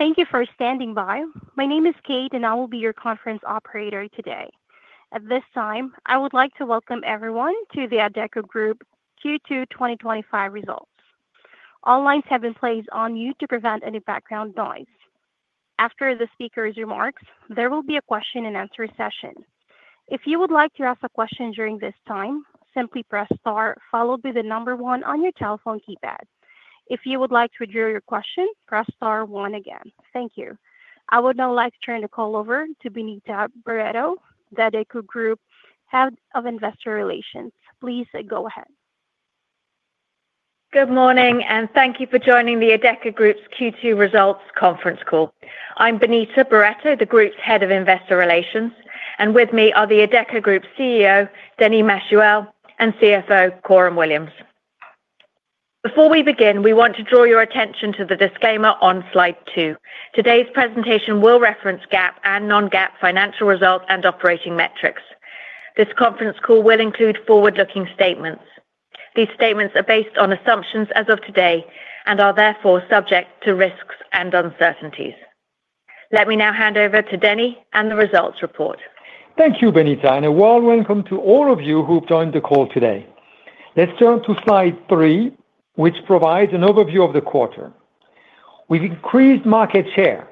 Thank you for standing by. My name is Kate, and I will be your conference operator today. At this time, I would like to welcome everyone to the Adecco Group Q2 2025 Results. All lines have been placed on mute to prevent any background noise. After the speaker's remarks, there will be a question and answer session. If you would like to ask a question during this time, simply press star followed by the number one on your telephone keypad. If you would like to withdraw your question, press star one again. Thank you. I would now like to turn the call over to Benita Barretto, the Adecco Group Head of Investor Relations. Please go ahead. Good morning, and thank you for joining the Adecco Group's Q2 Results Conference Call. I'm Benita Barretto, the Group's Head of Investor Relations, and with me are the Adecco Group CEO, Denis Machuel, and CFO, Coram Williams. Before we begin, we want to draw your attention to the disclaimer on slide two. Today's presentation will reference GAAP and non-GAAP financial results and operating metrics. This conference call will include forward-looking statements. These statements are based on assumptions as of today and are therefore subject to risks and uncertainties. Let me now hand over to Denis and the results report. Thank you, Benita, and a warm welcome to all of you who joined the call today. Let's turn to slide three, which provides an overview of the quarter. We've increased market share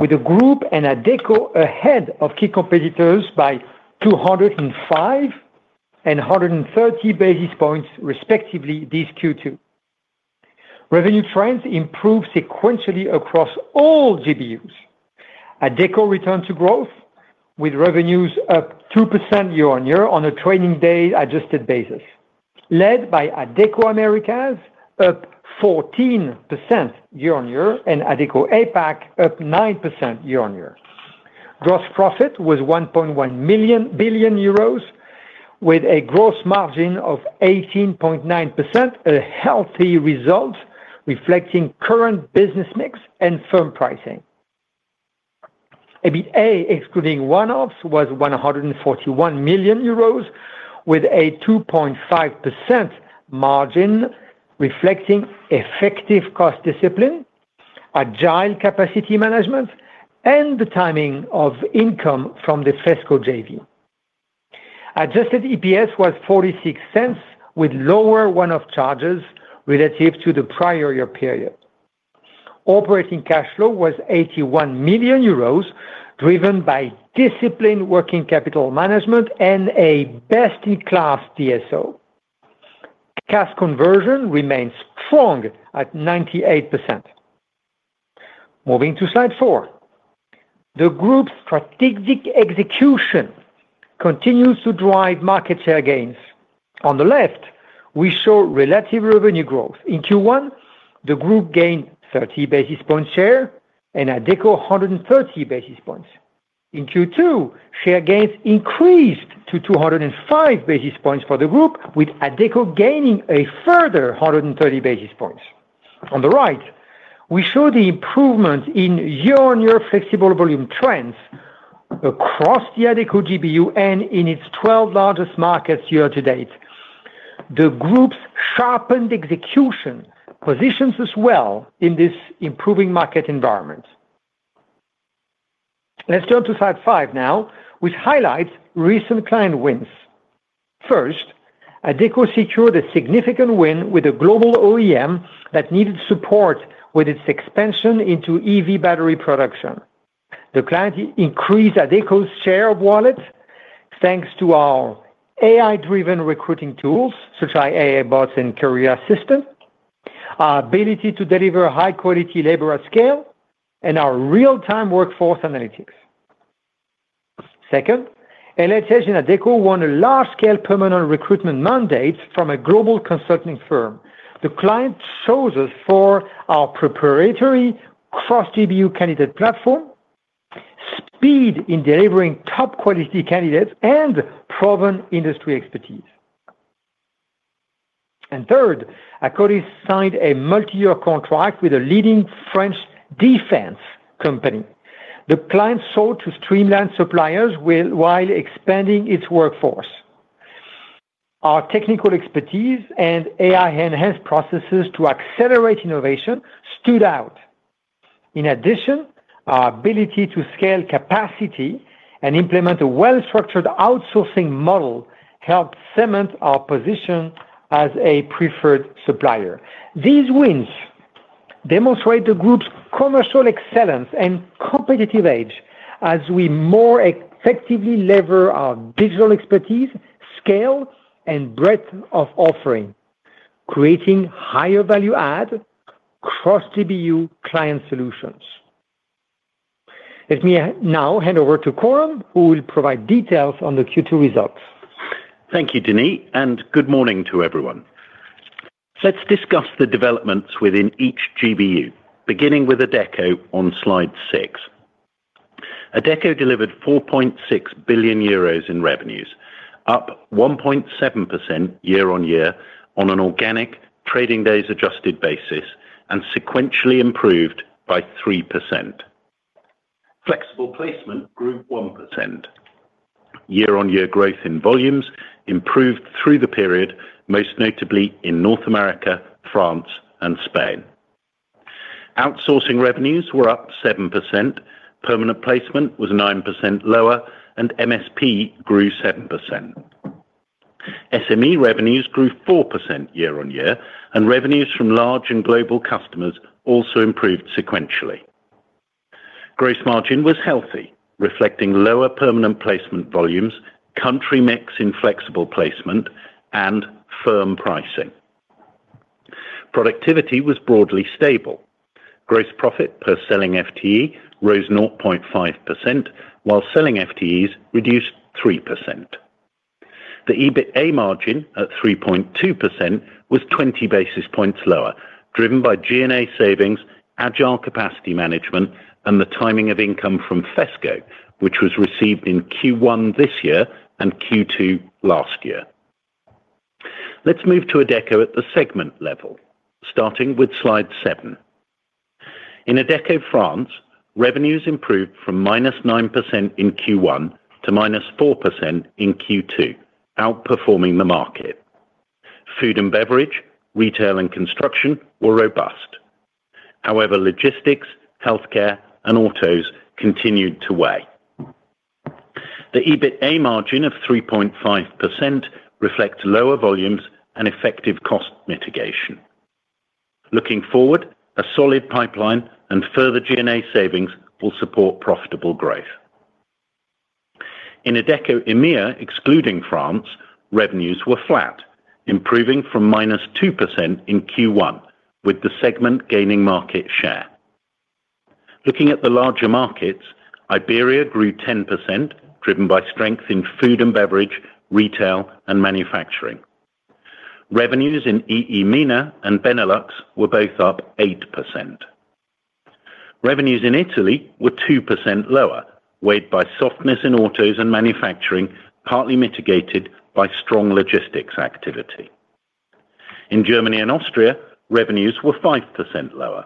with the Group and Adecco ahead of key competitors by 205 and 130 basis points, respectively, this Q2. Revenue trends improved sequentially across all GBUs. Adecco returned to growth, with revenues up 2% year-on-year on a training day adjusted basis, led by Adecco Americas, up 14% year-on-year, and Adecco APAC, up 9% year-on-year. Gross profit was 1.1 billion euros, with a gross margin of 18.9%, a healthy result reflecting current business mix and firm pricing. EBITDA excluding one-offs was 141 million euros, with a 2.5% margin reflecting effective cost discipline, agile capacity management, and the timing of income from the fiscal JV. Adjusted EPS was 0.46, with lower one-off charges relative to the prior year period. Operating cash flow was 81 million euros, driven by disciplined working capital management and a best-in-class DSO. Cash conversion remains strong at 98%. Moving to slide four, the Group's strategic execution continues to drive market share gains. On the left, we show relative revenue growth. In Q1, the Group gained 30 basis points share and Adecco 130 basis points. In Q2, share gains increased to 205 basis points for the Group, with Adecco gaining a further 130 basis points. On the right, we show the improvement in year-on-year flexible volume trends across the Adecco GBU and in its 12 largest markets year to date. The Group's sharpened execution positions us well in this improving market environment. Let's turn to slide five now, which highlights recent client wins. First, Adecco secured a significant win with a global OEM that needed support with its expansion into EV battery production. The client increased Adecco's share of wallet thanks to our AI-driven recruiting tools, such as AI bots and career assistants, our ability to deliver high-quality labor at scale, and our real-time workforce analytics. Second, LHH and Adecco won a large-scale permanent recruitment mandate from a global consulting firm. The client chose us for our preparatory cross-GBU candidate platform, speed in delivering top-quality candidates, and proven industry expertise. Third, Adecco signed a multi-year contract with a leading French defense company. The client sought to streamline suppliers while expanding its workforce. Our technical expertise and AI-enhanced processes to accelerate innovation stood out. In addition, our ability to scale capacity and implement a well-structured outsourcing model helped cement our position as a preferred supplier. These wins demonstrate the Group's commercial excellence and competitive edge as we more effectively lever our digital expertise, scale, and breadth of offering, creating higher value-add cross-GBU client solutions. Let me now hand over to Coram, who will provide details on the Q2 results. Thank you, Denis, and good morning to everyone. Let's discuss the developments within each GBU, beginning with Adecco on slide six. Adecco delivered 4.6 billion euros in revenues, up 1.7% year-on-year on an organic trading days adjusted basis, and sequentially improved by 3%. Flexible placement grew 1%. Year-on-year growth in volumes improved through the period, most notably in North America, France, and Spain. Outsourcing revenues were up 7%, permanent placement was 9% lower, and MSP grew 7%. SME revenues grew 4% year-on-year, and revenues from large and global customers also improved sequentially. Gross margin was healthy, reflecting lower permanent placement volumes, country mix in flexible placement, and firm pricing. Productivity was broadly stable. Gross profit per selling FTE rose 0.5%, while selling FTEs reduced 3%. The EBITDA margin at 3.2% was 20 basis points lower, driven by G&A savings, agile capacity management, and the timing of income from FESCO, which was received in Q1 this year and Q2 last year. Let's move to Adecco at the segment level, starting with slide seven. In Adecco France, revenues improved from -9% in Q1 to -4% in Q2, outperforming the market. Food and beverage, retail, and construction were robust. However, logistics, healthcare, and autos continued to weigh. The EBITDA margin of 3.5% reflects lower volumes and effective cost mitigation. Looking forward, a solid pipeline and further G&A savings will support profitable growth. In Adecco EMIR, excluding France, revenues were flat, improving from -2% in Q1, with the segment gaining market share. Looking at the larger markets, Iberia grew 10%, driven by strength in food and beverage, retail, and manufacturing. Revenues in EE MENA and Benelux were both up 8%. Revenues in Italy were 2% lower, weighed by softness in autos and manufacturing, partly mitigated by strong logistics activity. In Germany and Austria, revenues were 5% lower.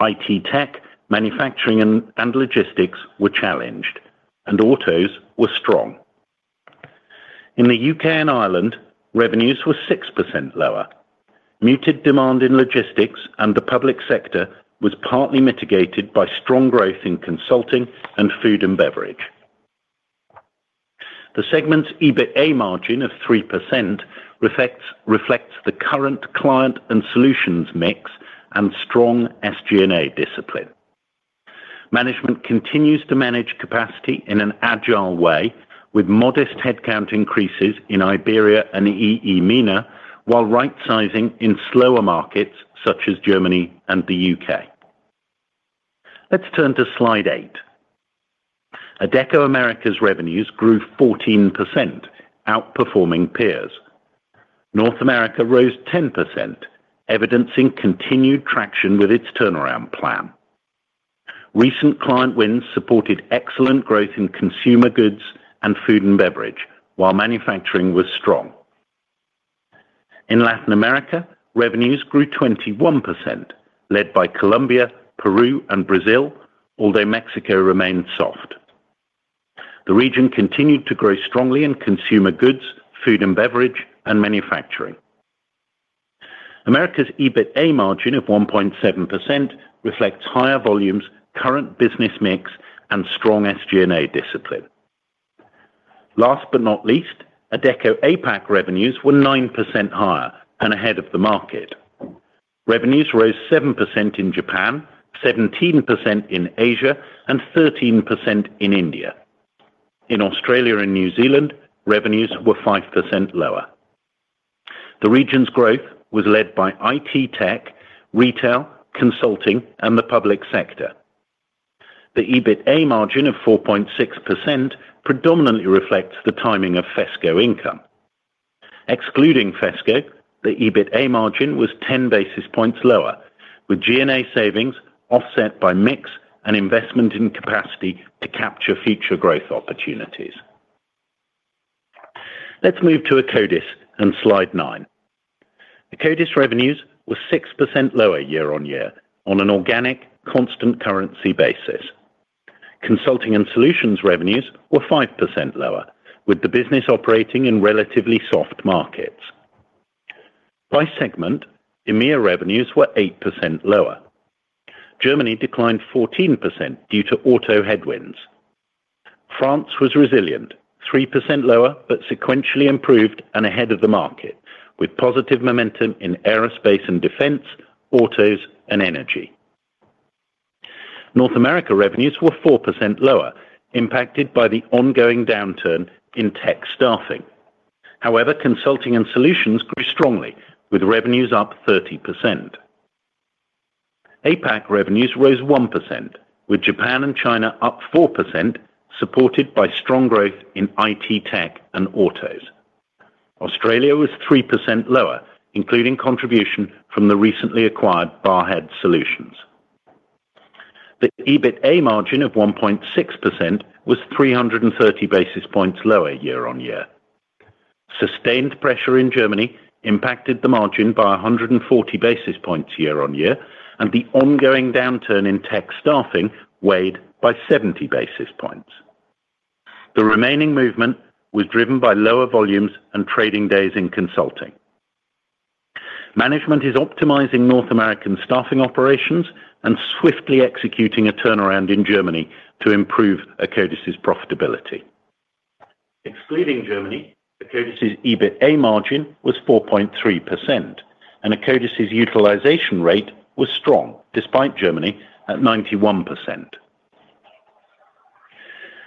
IT tech, manufacturing, and logistics were challenged, and autos were strong. In the UK and Ireland, revenues were 6% lower. Muted demand in logistics and the public sector was partly mitigated by strong growth in consulting and food and beverage. The segment's EBITDA margin of 3% reflects the current client and solutions mix and strong SG&A discipline. Management continues to manage capacity in an agile way, with modest headcount increases in Iberia and EE MENA, while right-sizing in slower markets such as Germany and the UK. Let's turn to slide eight. Adecco Americas' revenues grew 14%, outperforming peers. North America rose 10%, evidencing continued traction with its turnaround plan. Recent client wins supported excellent growth in consumer goods and food and beverage, while manufacturing was strong. In Latin America, revenues grew 21%, led by Colombia, Peru, and Brazil, although Mexico remained soft. The region continued to grow strongly in consumer goods, food and beverage, and manufacturing. Americas' EBITDA margin of 1.7% reflects higher volumes, current business mix, and strong SG&A discipline. Last but not least, Adecco APAC revenues were 9% higher and ahead of the market. Revenues rose 7% in Japan, 17% in Asia, and 13% in India. In Australia and New Zealand, revenues were 5% lower. The region's growth was led by IT tech, retail, consulting, and the public sector. The EBITDA margin of 4.6% predominantly reflects the timing of FESCO income. Excluding FESCO, the EBITDA margin was 10 basis points lower, with G&A savings offset by mix and investment in capacity to capture future growth opportunities. Let's move to Akkodis and slide nine. Akkodis revenues were 6% lower year-on-year on an organic, constant currency basis. Consulting and solutions revenues were 5% lower, with the business operating in relatively soft markets. By segment, EMEA revenues were 8% lower. Germany declined 14% due to auto headwinds. France was resilient, 3% lower, but sequentially improved and ahead of the market, with positive momentum in aerospace and defense, autos, and energy. North America revenues were 4% lower, impacted by the ongoing downturn in tech staffing. However, consulting and solutions grew strongly, with revenues up 30%. APAC revenues rose 1%, with Japan and China up 4%, supported by strong growth in IT tech and autos. Australia was 3% lower, including contribution from the recently acquired Barhead Solutions. The EBITDA margin of 1.6% was 330 basis points lower year-on-year. Sustained pressure in Germany impacted the margin by 140 basis points year-on-year, and the ongoing downturn in tech staffing weighed by 70 basis points. The remaining movement was driven by lower volumes and trading days in consulting. Management is optimizing North American staffing operations and swiftly executing a turnaround in Germany to improve Akkodis's profitability. Excluding Germany, Akkodis's EBITDA margin was 4.3%, and Akkodis's utilization rate was strong, despite Germany at 91%.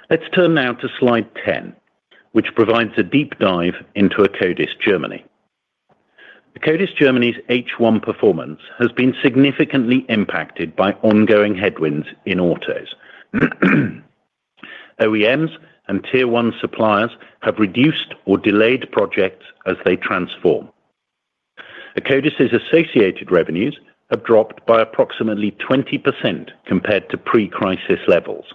Let's turn now to slide 10, which provides a deep dive into Akkodis Germany. Akkodis Germany's H1 performance has been significantly impacted by ongoing headwinds in autos. OEMs and Tier 1 suppliers have reduced or delayed projects as they transform. Akkodis's associated revenues have dropped by approximately 20% compared to pre-crisis levels.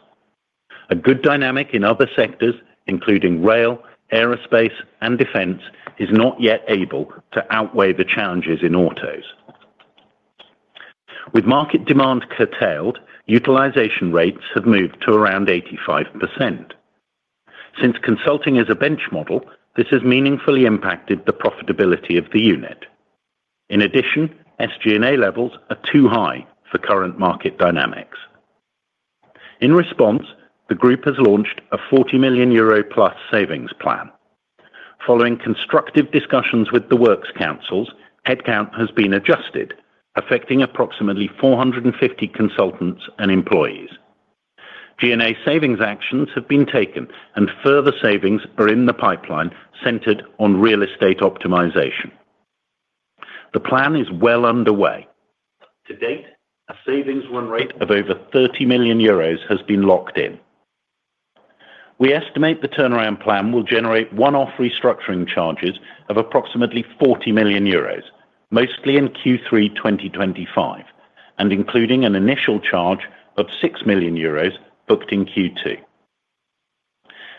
A good dynamic in other sectors, including rail, aerospace, and defense, is not yet able to outweigh the challenges in autos. With market demand curtailed, utilization rates have moved to around 85%. Since consulting is a bench model, this has meaningfully impacted the profitability of the unit. In addition, SG&A levels are too high for current market dynamics. In response, the Group has launched a 40 million euro plus savings plan. Following constructive discussions with the works councils, headcount has been adjusted, affecting approximately 450 consultants and employees. G&A savings actions have been taken, and further savings are in the pipeline centered on real estate optimization. The plan is well underway. To date, a savings run rate of over 30 million euros has been locked in. We estimate the turnaround plan will generate one-off restructuring charges of approximately 40 million euros, mostly in Q3 2025, and including an initial charge of 6 million euros booked in Q2.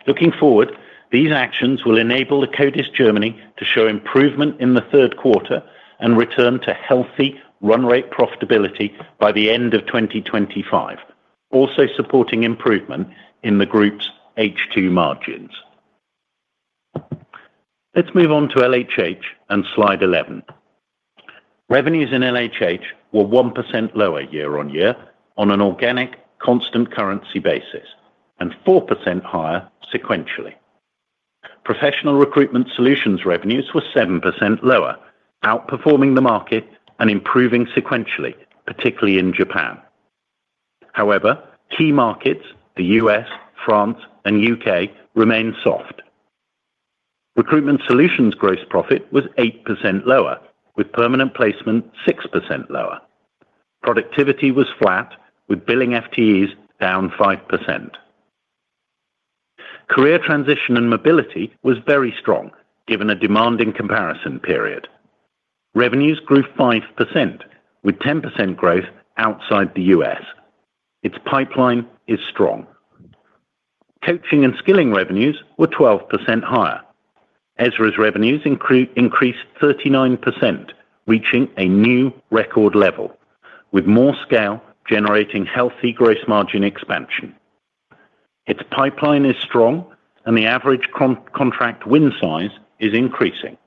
Looking forward, these actions will enable Akkodis Germany to show improvement in the third quarter and return to healthy run-rate profitability by the end of 2025, also supporting improvement in the Group's H2 margins. Let's move on to LHH and slide 11. Revenues in LHH were 1% lower year-on-year on an organic, constant currency basis, and 4% higher sequentially. Professional recruitment solutions revenues were 7% lower, outperforming the market and improving sequentially, particularly in Japan. However, key markets, the U.S., France, and UK, remain soft. Recruitment solutions gross profit was 8% lower, with permanent placement 6% lower. Productivity was flat, with billing FTEs down 5%. Career transition and mobility was very strong, given a demanding comparison period. Revenues grew 5%, with 10% growth outside the U.S. Its pipeline is strong. Coaching and skilling revenues were 12% higher. Ezra's revenues increased 39%, reaching a new record level, with more scale generating healthy gross margin expansion. Its pipeline is strong, and the average contract win size is increasing.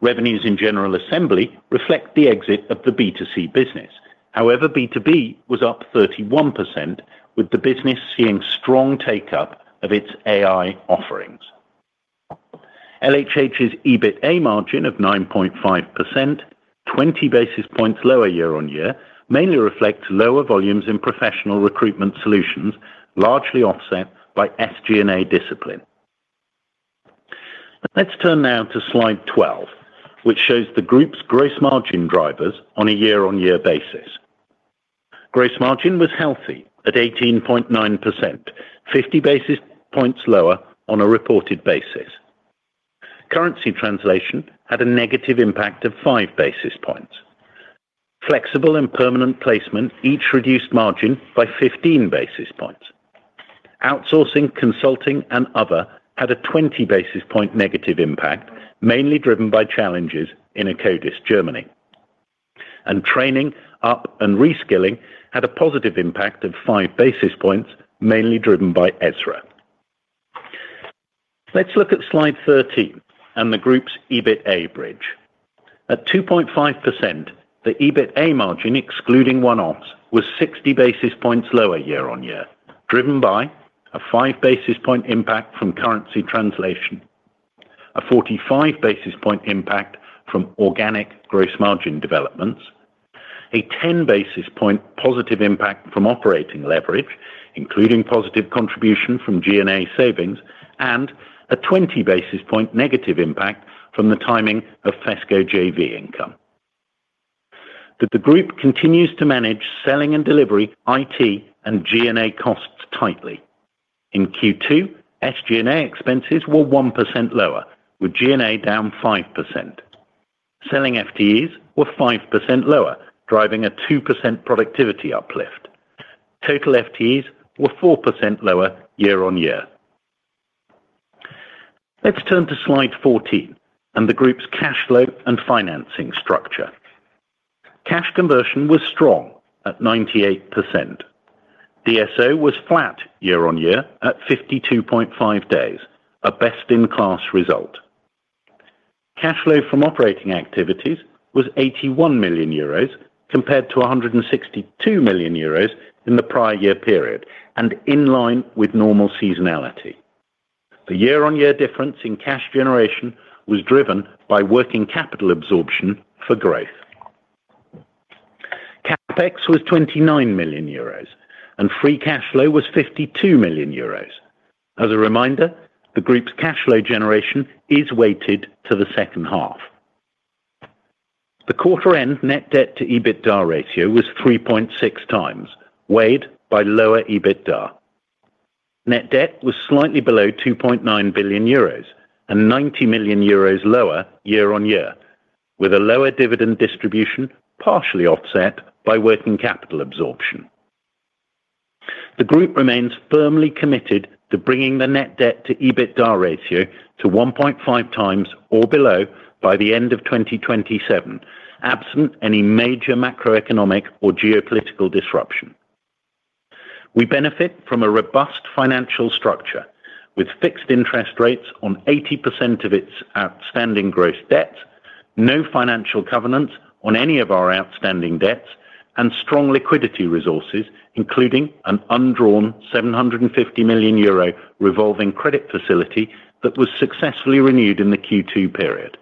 Revenues in General Assembly reflect the exit of the B2C business. However, B2B was up 31%, with the business seeing strong take-up of its AI offerings. LHH's EBITDA margin of 9.5%, 20 basis points lower year-on-year, mainly reflects lower volumes in professional recruitment solutions, largely offset by SG&A discipline. Let's turn now to slide 12, which shows the Group's gross margin drivers on a year-on-year basis. Gross margin was healthy at 18.9%, 50 basis points lower on a reported basis. Currency translation had a negative impact of five basis points. Flexible and permanent placement each reduced margin by 15 basis points. Outsourcing, consulting, and other had a 20 basis point negative impact, mainly driven by challenges in Akkodis Germany. Training, up, and reskilling had a positive impact of five basis points, mainly driven by Ezra. Let's look at slide 13 and the Group's EBITDA bridge. At 2.5%, the EBITDA margin, excluding one-offs, was 60 basis points lower year-on-year, driven by a five basis point impact from currency translation, a 45 basis point impact from organic gross margin developments, a 10 basis point positive impact from operating leverage, including positive contribution from G&A savings, and a 20 basis point negative impact from the timing of FESCO JV income. The Group continues to manage selling and delivery IT and G&A costs tightly. In Q2, SG&A expenses were 1% lower, with G&A down 5%. Selling FTEs were 5% lower, driving a 2% productivity uplift. Total FTEs were 4% lower year-on-year. Let's turn to slide 14 and the Group's cash flow and financing structure. Cash conversion was strong at 98%. DSO was flat year-on-year at 52.5 days, a best-in-class result. Cash flow from operating activities was 81 million euros compared to 162 million euros in the prior year period and in line with normal seasonality. The year-on-year difference in cash generation was driven by working capital absorption for growth. CapEx was 29 million euros, and free cash flow was 52 million euros. As a reminder, the Group's cash flow generation is weighted to the second half. The quarter-end net debt to EBITDA ratio was 3.6 times, weighed by lower EBITDA. Net debt was slightly below 2.9 billion euros and 90 million euros lower year-on-year, with a lower dividend distribution partially offset by working capital absorption. The Group remains firmly committed to bringing the net debt to EBITDA ratio to 1.5x or below by the end of 2027, absent any major macroeconomic or geopolitical disruption. We benefit from a robust financial structure with fixed interest rates on 80% of its outstanding gross debt, no financial covenants on any of our outstanding debts, and strong liquidity resources, including an undrawn 750 million euro revolving credit facility that was successfully renewed in the Q2 period.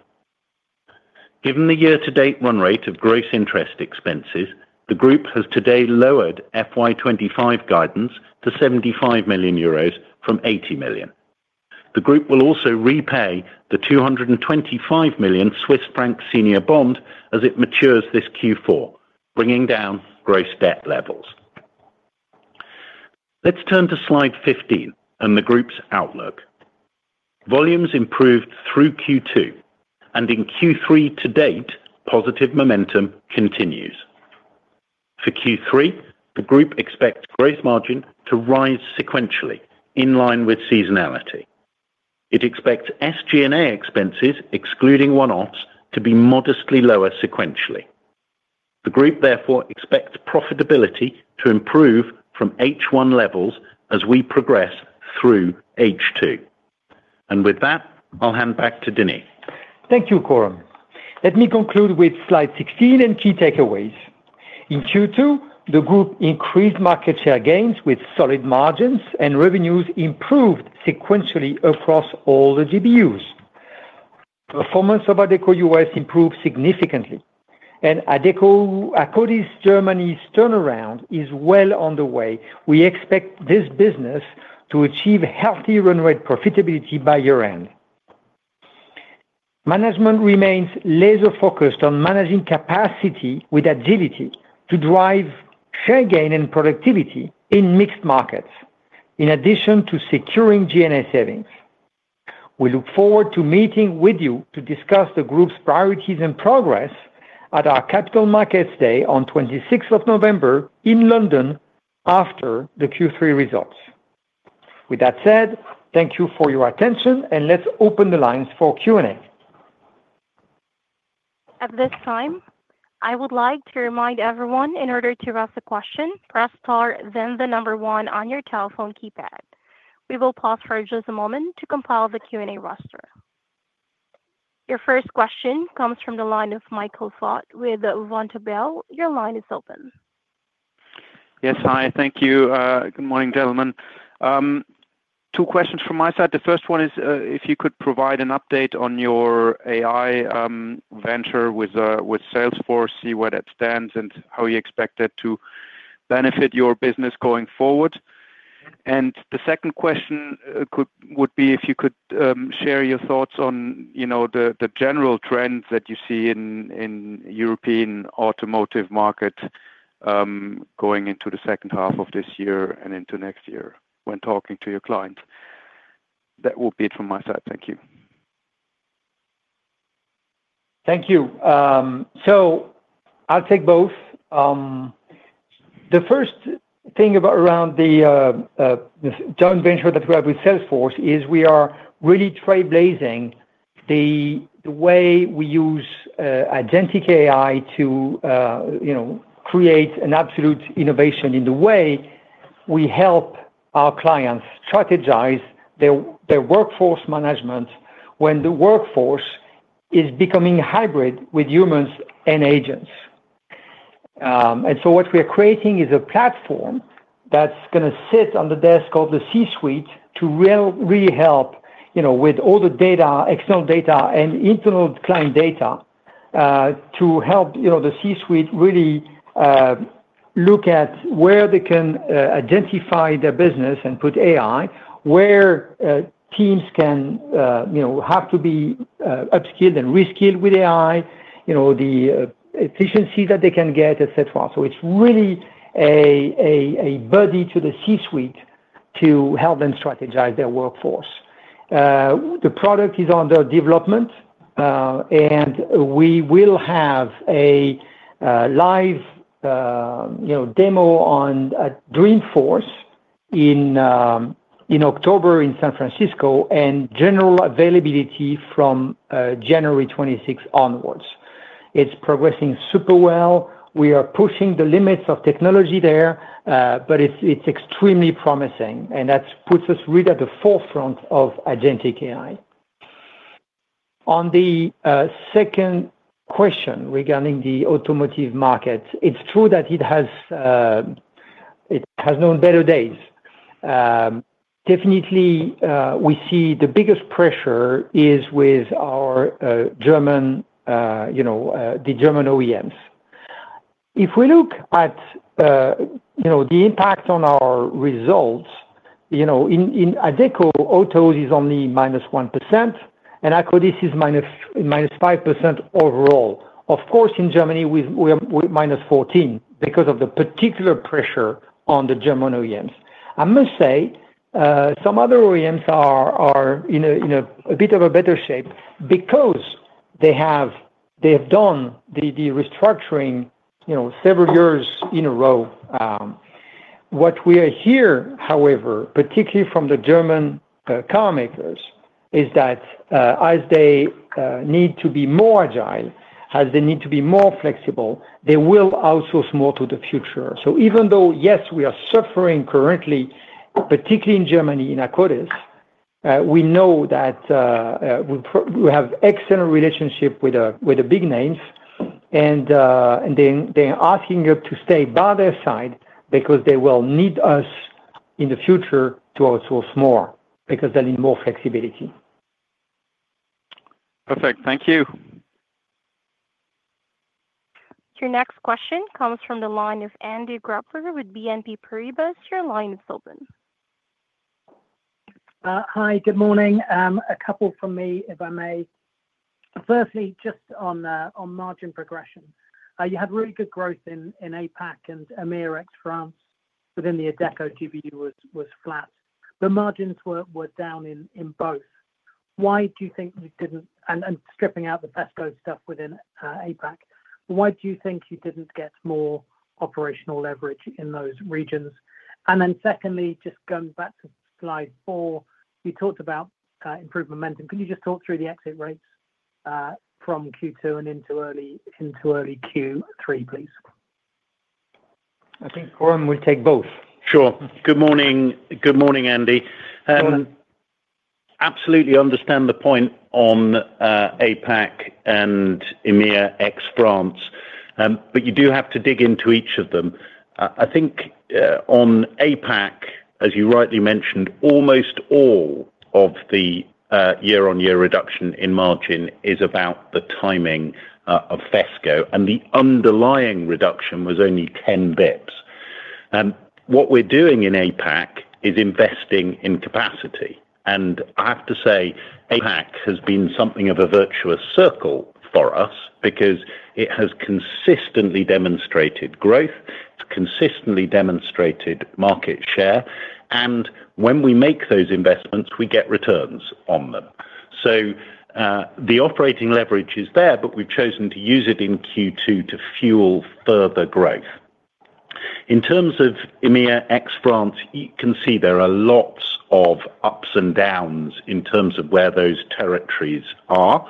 Given the year-to-date run rate of gross interest expenses, the Group has today lowered FY 25 guidance to 75 million euros from 80 million. The Group will also repay the 225 million Swiss franc senior bond as it matures this Q4, bringing down gross debt levels. Let's turn to slide 15 and the Group's outlook. Volumes improved through Q2, and in Q3 to date, positive momentum continues. For Q3, the Group expects gross margin to rise sequentially, in line with seasonality. It expects SG&A expenses, excluding one-offs, to be modestly lower sequentially. The Group therefore expects profitability to improve from H1 levels as we progress through H2. With that, I'll hand back to Denis. Thank you, Coram. Let me conclude with slide 16 and key takeaways. In Q2, the Group increased market share gains with solid margins, and revenues improved sequentially across all the GBUs. Performance of Adecco US improved significantly, and Adecco Akkodis Germany's turnaround is well on the way. We expect this business to achieve healthy run-rate profitability by year end. Management remains laser-focused on managing capacity with agility to drive share gain and productivity in mixed markets, in addition to securing G&A savings. We look forward to meeting with you to discuss the Group's priorities and progress at our Capital Markets Day on 26th of November in London after the Q3 results. With that said, thank you for your attention, and let's open the lines for Q&A. At this time, I would like to remind everyone, in order to ask a question, press star then the number one on your telephone keypad. We will pause for just a moment to compile the Q&A roster. Your first question comes from the line of Michael Foeth with Vontobel. Your line is open. Yes, hi, thank you. Good morning, gentlemen. Two questions from my side. The first one is if you could provide an update on your AI venture with Salesforce, see where that stands, and how you expect that to benefit your business going forward. The second question would be if you could share your thoughts on the general trends that you see in the European automotive market going into the second half of this year and into next year when talking to your client. That would be it from my side. Thank you. Thank you. I'll take both. The first thing around the joint venture that we have with Salesforce is we are really trailblazing the way we use agentic AI to create an absolute innovation in the way we help our clients strategize their workforce management when the workforce is becoming hybrid with humans and agents. What we are creating is a platform that's going to sit on the desk of the C-suite to really help with all the data, external data, and internal client data to help the C-suite really look at where they can identify their business and put AI, where teams can have to be upskilled and reskilled with AI, the efficiency that they can get, etc. It's really a buddy to the C-suite to help them strategize their workforce. The product is under development, and we will have a live demo at Dreamforce in October in San Francisco and general availability from January 2026 onwards. It's progressing super well. We are pushing the limits of technology there, but it's extremely promising, and that puts us right at the forefront of agentic AI. On the second question regarding the automotive market, it's true that it has known better days. Definitely, we see the biggest pressure is with the German OEMs. If we look at the impact on our results, in Adecco, autos is only -1%, and Akkodis is -5% overall. Of course, in Germany, we're -14% because of the particular pressure on the German OEMs. I must say some other OEMs are in a bit of a better shape because they have done the restructuring several years in a row. What we hear, however, particularly from the German carmakers, is that as they need to be more agile, as they need to be more flexible, they will outsource more to the future. Even though, yes, we are suffering currently, particularly in Germany, in Akkodis, we know that we have an excellent relationship with the big names, and they're asking us to stay by their side because they will need us in the future to outsource more because they'll need more flexibility. Perfect. Thank you. Your next question comes from the line of Andy Grobler with BNP Paribas. Your line is open. Hi, good morning. A couple from me, if I may. Firstly, just on margin progression. You had really good growth in APAC and France, but then the Adecco GBU was flat. The margins were down in both. Why do you think you didn't, and stripping out the FESCO stuff within APAC, why do you think you didn't get more operational leverage in those regions? Secondly, just going back to slide four, you talked about improved momentum. Can you just talk through the exit rates, from Q2 and into early Q3, please? I think Coram will take both. Sure. Good morning, good morning, Andy. Absolutely understand the point on APAC and France, but you do have to dig into each of them. I think on APAC, as you rightly mentioned, almost all of the year-on-year reduction in margin is about the timing of FESCO, and the underlying reduction was only 10 basis points. What we're doing in APAC is investing in capacity. I have to say APAC has been something of a virtuous circle for us because it has consistently demonstrated growth, it's consistently demonstrated market share, and when we make those investments, we get returns on them. The operating leverage is there, but we've chosen to use it in Q2 to fuel further growth. In terms of France, you can see there are lots of ups and downs in terms of where those territories are.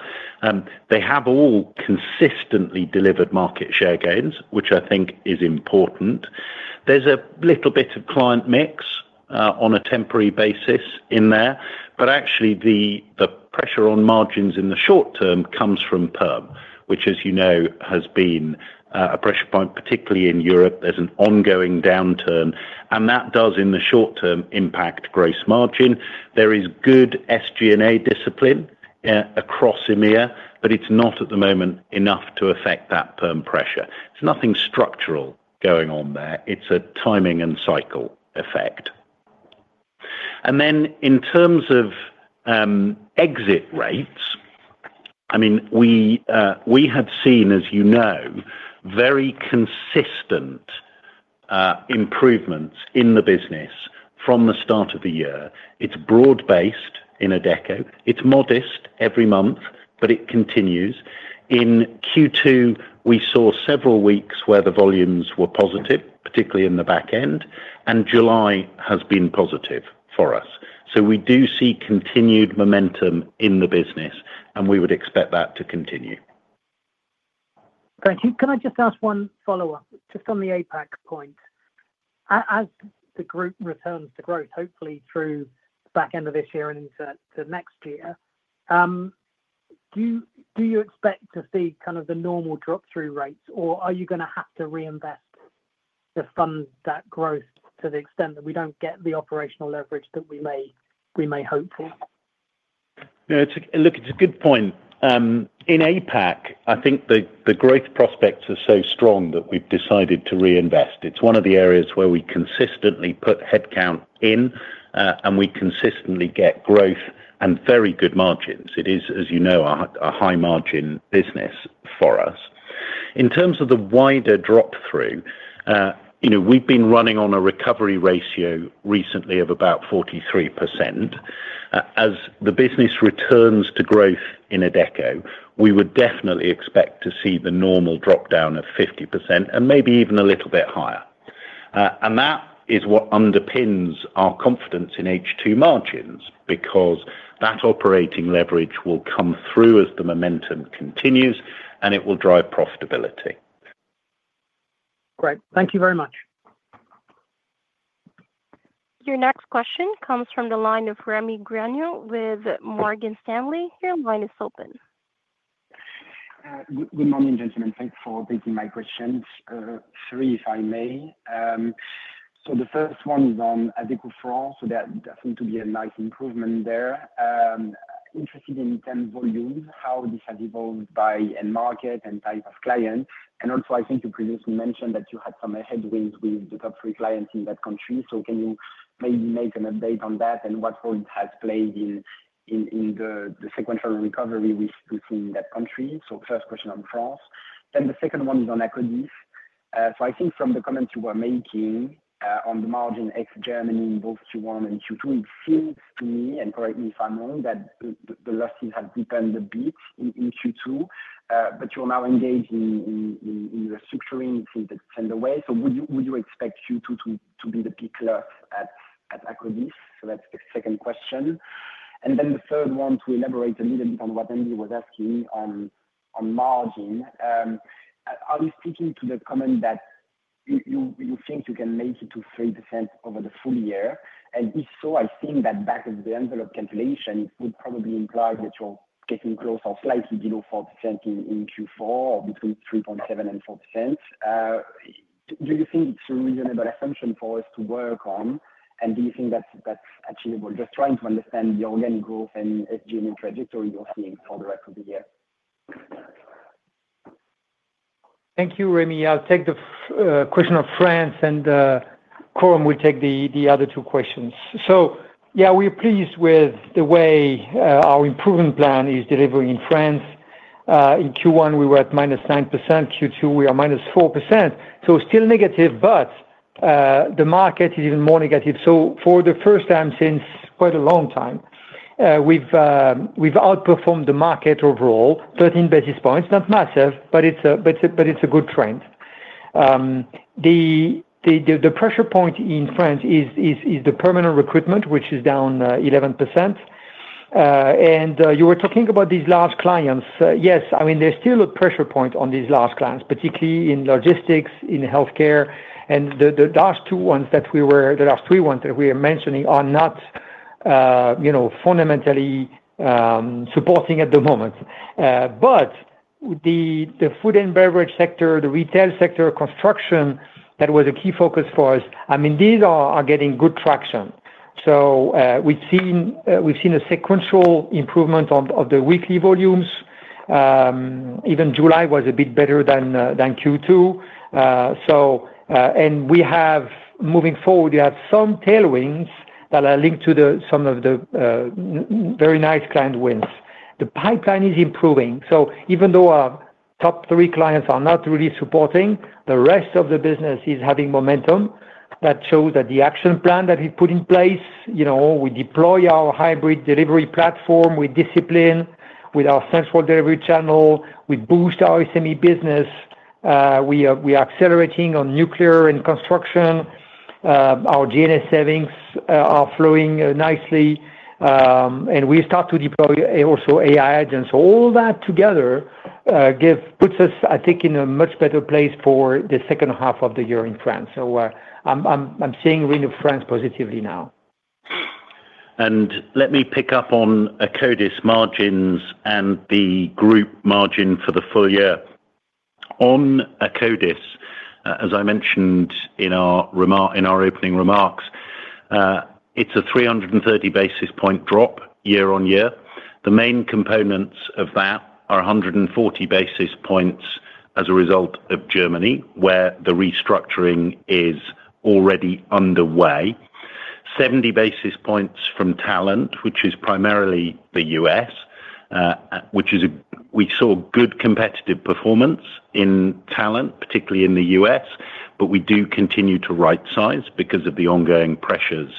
They have all consistently delivered market share gains, which I think is important. There's a little bit of client mix, on a temporary basis in there, but actually, the pressure on margins in the short term comes from Perm, which, as you know, has been a pressure point, particularly in Europe. There's an ongoing downturn, and that does, in the short term, impact gross margin. There is good SG&A discipline across France, but it's not at the moment enough to affect that perm pressure. There's nothing structural going on there. It's a timing and cycle effect. In terms of exit rates, we had seen, as you know, very consistent improvements in the business from the start of the year. It's broad-based in Adecco. It's modest every month, but it continues. In Q2, we saw several weeks where the volumes were positive, particularly in the back end, and July has been positive for us. We do see continued momentum in the business, and we would expect that to continue. Thank you. Can I just ask one follow-up just on the APAC point? As the Group returns to growth, hopefully through the back end of this year and into next year, do you expect to see kind of the normal drop-through rates, or are you going to have to reinvest to fund that growth to the extent that we don't get the operational leverage that we may hope for? Yeah, look, it's a good point. In APAC, I think the growth prospects are so strong that we've decided to reinvest. It's one of the areas where we consistently put headcount in, and we consistently get growth and very good margins. It is, as you know, a high-margin business for us. In terms of the wider drop-through, we've been running on a recovery ratio recently of about 43%. As the business returns to growth in Adecco, we would definitely expect to see the normal drop down of 50% and maybe even a little bit higher. That is what underpins our confidence in H2 margins because that operating leverage will come through as the momentum continues, and it will drive profitability. Great. Thank you very much. Your next question comes from the line of Rémi Grenu with Morgan Stanley. Your line is open. Good morning, gentlemen. Thanks for taking my questions. Sorry, if I may. The first one is on Adecco France. There seems to be a nice improvement there. Interested in terms of volumes, how this has evolved by market and type of client. I think you previously mentioned that you had some headwinds with the top three clients in that country. Can you maybe make an update on that and what role it has played in the sequential recovery we've seen in that country? First question on France. The second one is on Akkodis. I think from the comments you were making on the margin ex-Germany in both Q1 and Q2, it seems to me, and correct me if I'm wrong, that the losses have rippled a bit in Q2. You're now engaged in restructuring since it's turned away. Would you expect Q2 to be the peak loss at Akkodis? That's the second question. The third one, to elaborate a little bit on what Andy was asking on margin, are we sticking to the comment that you think you can make it to 3% over the full year? If so, I think that back of the envelope calculation, it would probably imply that you're getting close or slightly below 4% in Q4 or between 3.7% and 4%. Do you think it's a reasonable assumption for us to work on? Do you think that's achievable? Just trying to understand the organic growth and SG&A trajectories you're seeing over the rest of the year. Thank you, Remi. I'll take the question of France, and Coram will take the other two questions. We're pleased with the way our improvement plan is delivering in France. In Q1, we were at -9%. Q2, we are -4%. Still negative, but the market is even more negative. For the first time since quite a long time, we've outperformed the market overall, 13 basis points, not massive, but it's a good trend. The pressure point in France is the permanent recruitment, which is down 11%. You were talking about these large clients. Yes, there's still a pressure point on these large clients, particularly in logistics, in healthcare. The last two ones that we were, the last three ones that we are mentioning are not fundamentally supporting at the moment. With the food and beverage sector, the retail sector, construction, that was a key focus for us. These are getting good traction. We've seen a sequential improvement of the weekly volumes. Even July was a bit better than Q2. Moving forward, you have some tailwinds that are linked to some of the very nice client wins. The pipeline is improving. Even though our top three clients are not really supporting, the rest of the business is having momentum. That shows that the action plan that we put in place, we deploy our hybrid delivery platform with discipline, with our central delivery channel. We boost our SME business. We are accelerating on nuclear and construction. Our G&A savings are flowing nicely. We start to deploy also AI agents. All that together puts us, I think, in a much better place for the second half of the year in France. I'm seeing really France positively now. Let me pick up on Akkodis margins and the Group margin for the full year. On Akkodis, as I mentioned in our opening remarks, it's a 330 basis point drop year-on-year. The main components of that are 140 basis points as a result of Germany, where the restructuring is already underway, 70 basis points from talent, which is primarily the U.S. We saw good competitive performance in talent, particularly in the U.S., but we do continue to right-size because of the ongoing pressures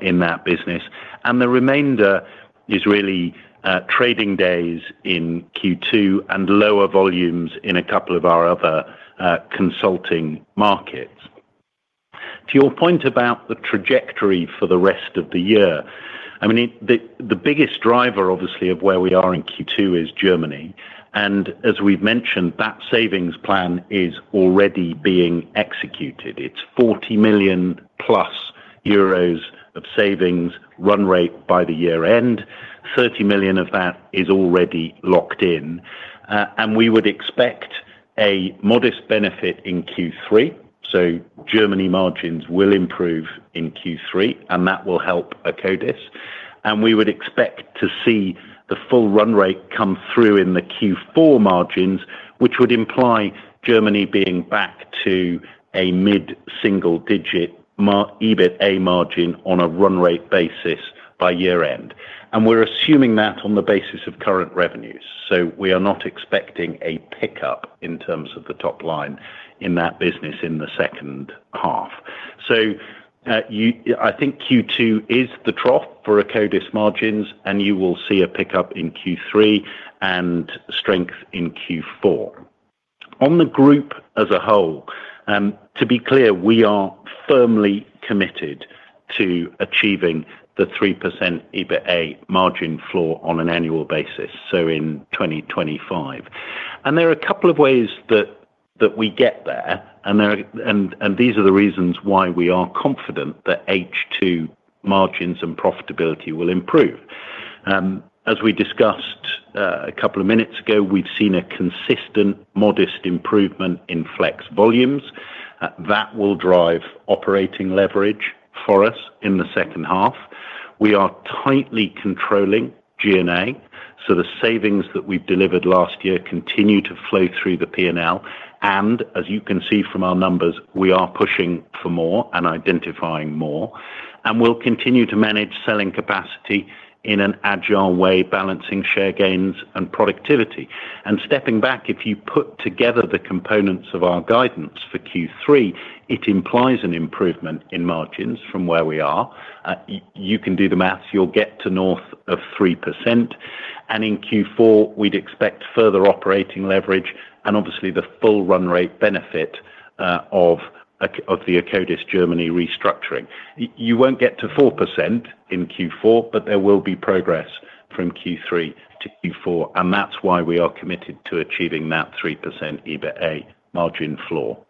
in that business. The remainder is really trading days in Q2 and lower volumes in a couple of our other consulting markets. To your point about the trajectory for the rest of the year, the biggest driver, obviously, of where we are in Q2 is Germany. As we've mentioned, that savings plan is already being executed. It's 40 million euros plus of savings run rate by the year end. 30 million of that is already locked in. We would expect a modest benefit in Q3. Germany margins will improve in Q3, and that will help Akkodis. We would expect to see the full run rate come through in the Q4 margins, which would imply Germany being back to a mid-single-digit EBITDA margin on a run-rate basis by year end. We're assuming that on the basis of current revenues. We are not expecting a pickup in terms of the top line in that business in the second half. I think Q2 is the trough for Akkodis margins, and you will see a pickup in Q3 and strength in Q4. On the Group as a whole, to be clear, we are firmly committed to achieving the 3% EBITDA margin floor on an annual basis, in 2025. There are a couple of ways that we get there, and these are the reasons why we are confident that H2 margins and profitability will improve. As we discussed a couple of minutes ago, we've seen a consistent, modest improvement in flex volumes. That will drive operating leverage for us in the second half. We are tightly controlling G&A, so the savings that we've delivered last year continue to flow through the P&L. As you can see from our numbers, we are pushing for more and identifying more. We'll continue to manage selling capacity in an agile way, balancing share gains and productivity. Stepping back, if you put together the components of our guidance for Q3, it implies an improvement in margins from where we are. You can do the maths. You'll get to north of 3%. In Q4, we'd expect further operating leverage and obviously the full run-rate benefit of the Akkodis Germany restructuring. You won't get to 4% in Q4, but there will be progress from Q3 to Q4. That's why we are committed to achieving that 3% EBITDA margin floor.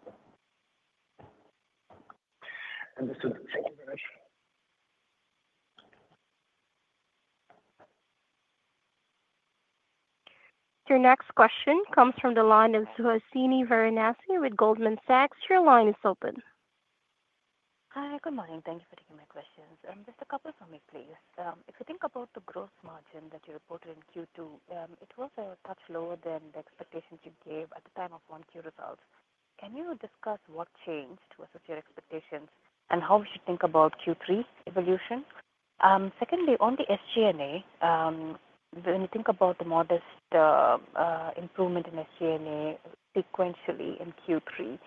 Your next question comes from the line of Suhasini Sudhakaran with Goldman Sachs. Your line is open. Hi, good morning. Thank you for taking my questions. Just a couple for me, please. If you think about the gross margin that you reported in Q2, it was a touch lower than the expectations you gave at the time of Q1 results. Can you discuss what changed versus your expectations and how we should think about Q3 evolution? Secondly, on the SG&A, when you think about the modest improvement in SG&A sequentially in Q3,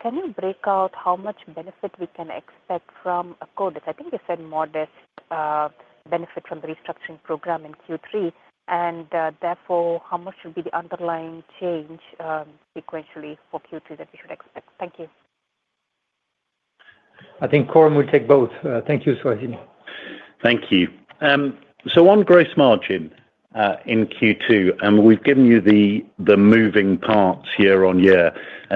can you break out how much benefit we can expect from Akkodis? I think you said modest benefit from the restructuring program in Q3. Therefore, how much should be the underlying change sequentially for Q3 that we should expect? Thank you. I think Coram would take both. Thank you, Suhasini. Thank you. On gross margin in Q2, we've given you the moving parts year-on-year.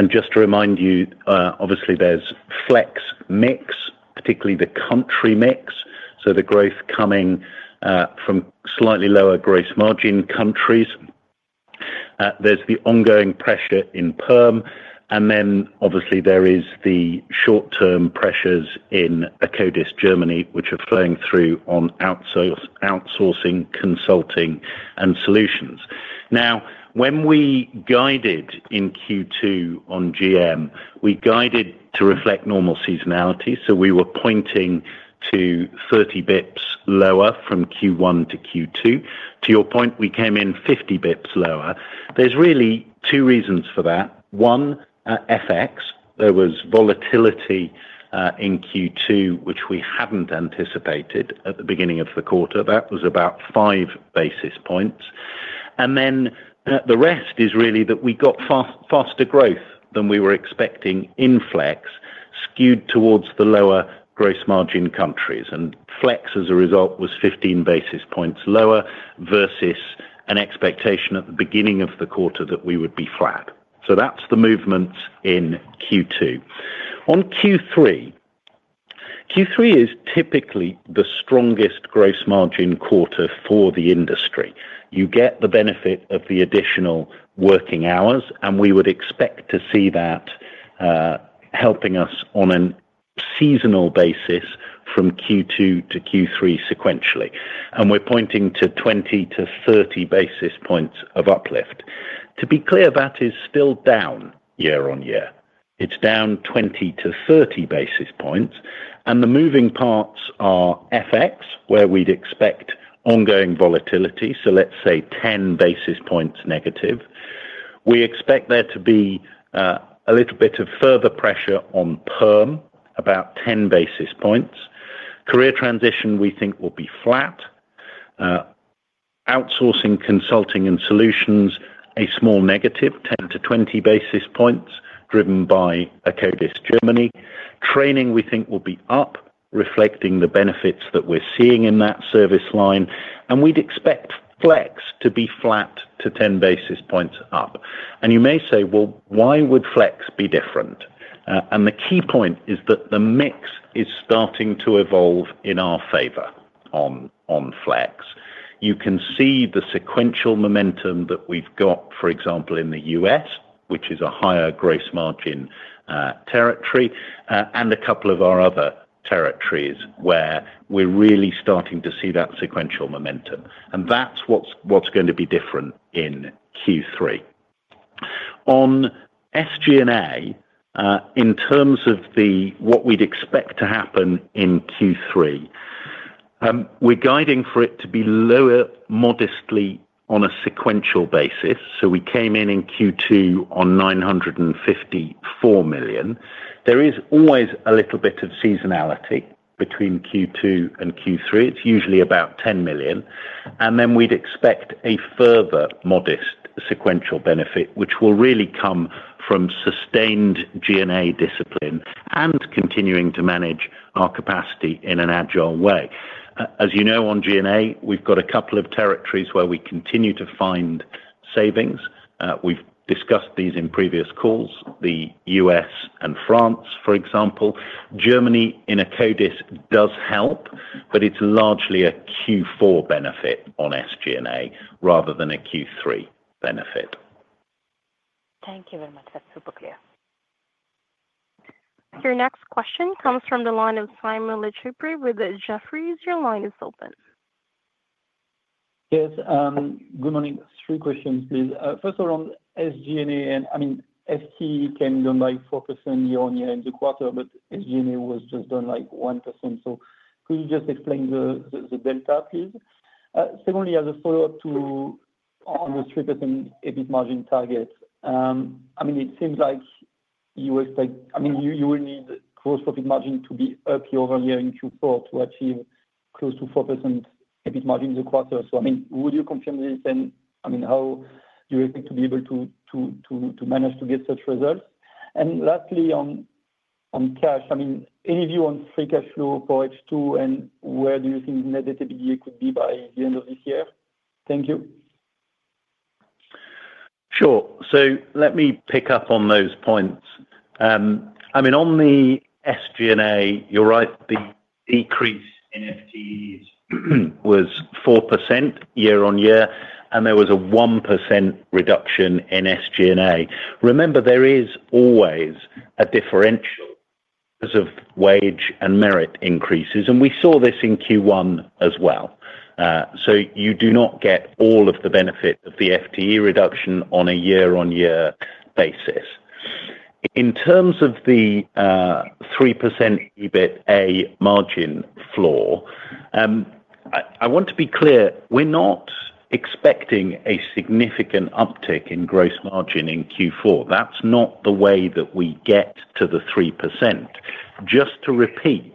Just to remind you, obviously, there's flex mix, particularly the country mix, so the growth coming from slightly lower gross margin countries. There's the ongoing pressure in Perm. There are the short-term pressures in Akkodis Germany, which are flowing through on outsourcing, consulting, and solutions. When we guided in Q2 on GM, we guided to reflect normal seasonality. We were pointing to 30 basis points lower from Q1-Q2. To your point, we came in 50 basis points lower. There are really two reasons for that. One, FX. There was volatility in Q2, which we hadn't anticipated at the beginning of the quarter. That was about 5 basis points. The rest is really that we got faster growth than we were expecting in flex skewed towards the lower gross margin countries. Flex, as a result, was 15 basis points lower versus an expectation at the beginning of the quarter that we would be flat. That's the movements in Q2. On Q3, Q3 is typically the strongest gross margin quarter for the industry. You get the benefit of the additional working hours, and we would expect to see that helping us on a seasonal basis from Q2 to Q3 sequentially. We're pointing to 20-30 basis points of uplift. To be clear, that is still down year-on-year. It's down 20-30 basis points. The moving parts are FX, where we'd expect ongoing volatility, so let's say 10 basis points negative. We expect there to be a little bit of further pressure on Perm, about 10 basis points. Career transition, we think, will be flat. Outsourcing, consulting, and solutions, a small negative, 10-20 basis points, driven by Akkodis Germany. Training, we think, will be up, reflecting the benefits that we're seeing in that service line. We'd expect flex to be flat to 10 basis points up. You may say, why would flex be different? The key point is that the mix is starting to evolve in our favor on flex. You can see the sequential momentum that we've got, for example, in the U.S., which is a higher gross margin territory, and a couple of our other territories where we're really starting to see that sequential momentum. That's what's going to be different in Q3. On SG&A in terms of what we'd expect to happen in Q3, we're guiding for it to be lower, modestly on a sequential basis. We came in in Q2 on $954 million. There is always a little bit of seasonality between Q2 and Q3. It's usually about $10 million. We'd expect a further modest sequential benefit, which will really come from sustained G&A discipline and continuing to manage our capacity in an agile way. As you know, on G&A, we've got a couple of territories where we continue to find savings. We've discussed these in previous calls, the U.S. and France, for example. Germany in Akkodis does help, but it's largely a Q4 benefit on SG&A rather than a Q3 benefit. Thank you very much. That's super clear. Your next question comes from the line of Simon Lechipre with Jefferies. Your line is open. Yes. Good morning. Three questions, please. First of all, on SG&A, FTE can go by 4% year-on-year in the quarter, but SG&A was just down like 1%. Could you just explain the delta, please? Secondly, as a follow-up on the 3% EBITDA margin target, it seems like you expect you will need gross profit margin to be up year over year in Q4 to achieve close to 4% EBITDA margin in the quarter. Would you confirm this? How do you expect to be able to manage to get such results? Lastly, on cash, any view on free cash flow for H2 and where do you think the net debt to EBITDA could be by the end of this year? Thank you. Sure. Let me pick up on those points. On the SG&A, you're right. The decrease in FTEs was 4% year-on-year, and there was a 1% reduction in SG&A. Remember, there is always a differential because of wage and merit increases, and we saw this in Q1 as well. You do not get all of the benefit of the FTE reduction on a year-on-year basis. In terms of the 3% EBITDA margin floor, I want to be clear, we're not expecting a significant uptick in gross margin in Q4. That's not the way that we get to the 3%. Just to repeat,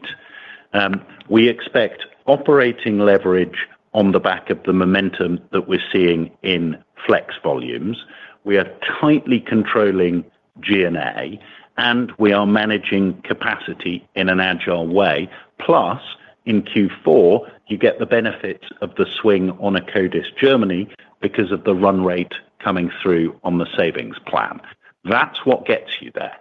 we expect operating leverage on the back of the momentum that we're seeing in flex volumes. We are tightly controlling G&A, and we are managing capacity in an agile way. Plus, in Q4, you get the benefits of the swing on Akkodis Germany because of the run rate coming through on the savings plan. That's what gets you there.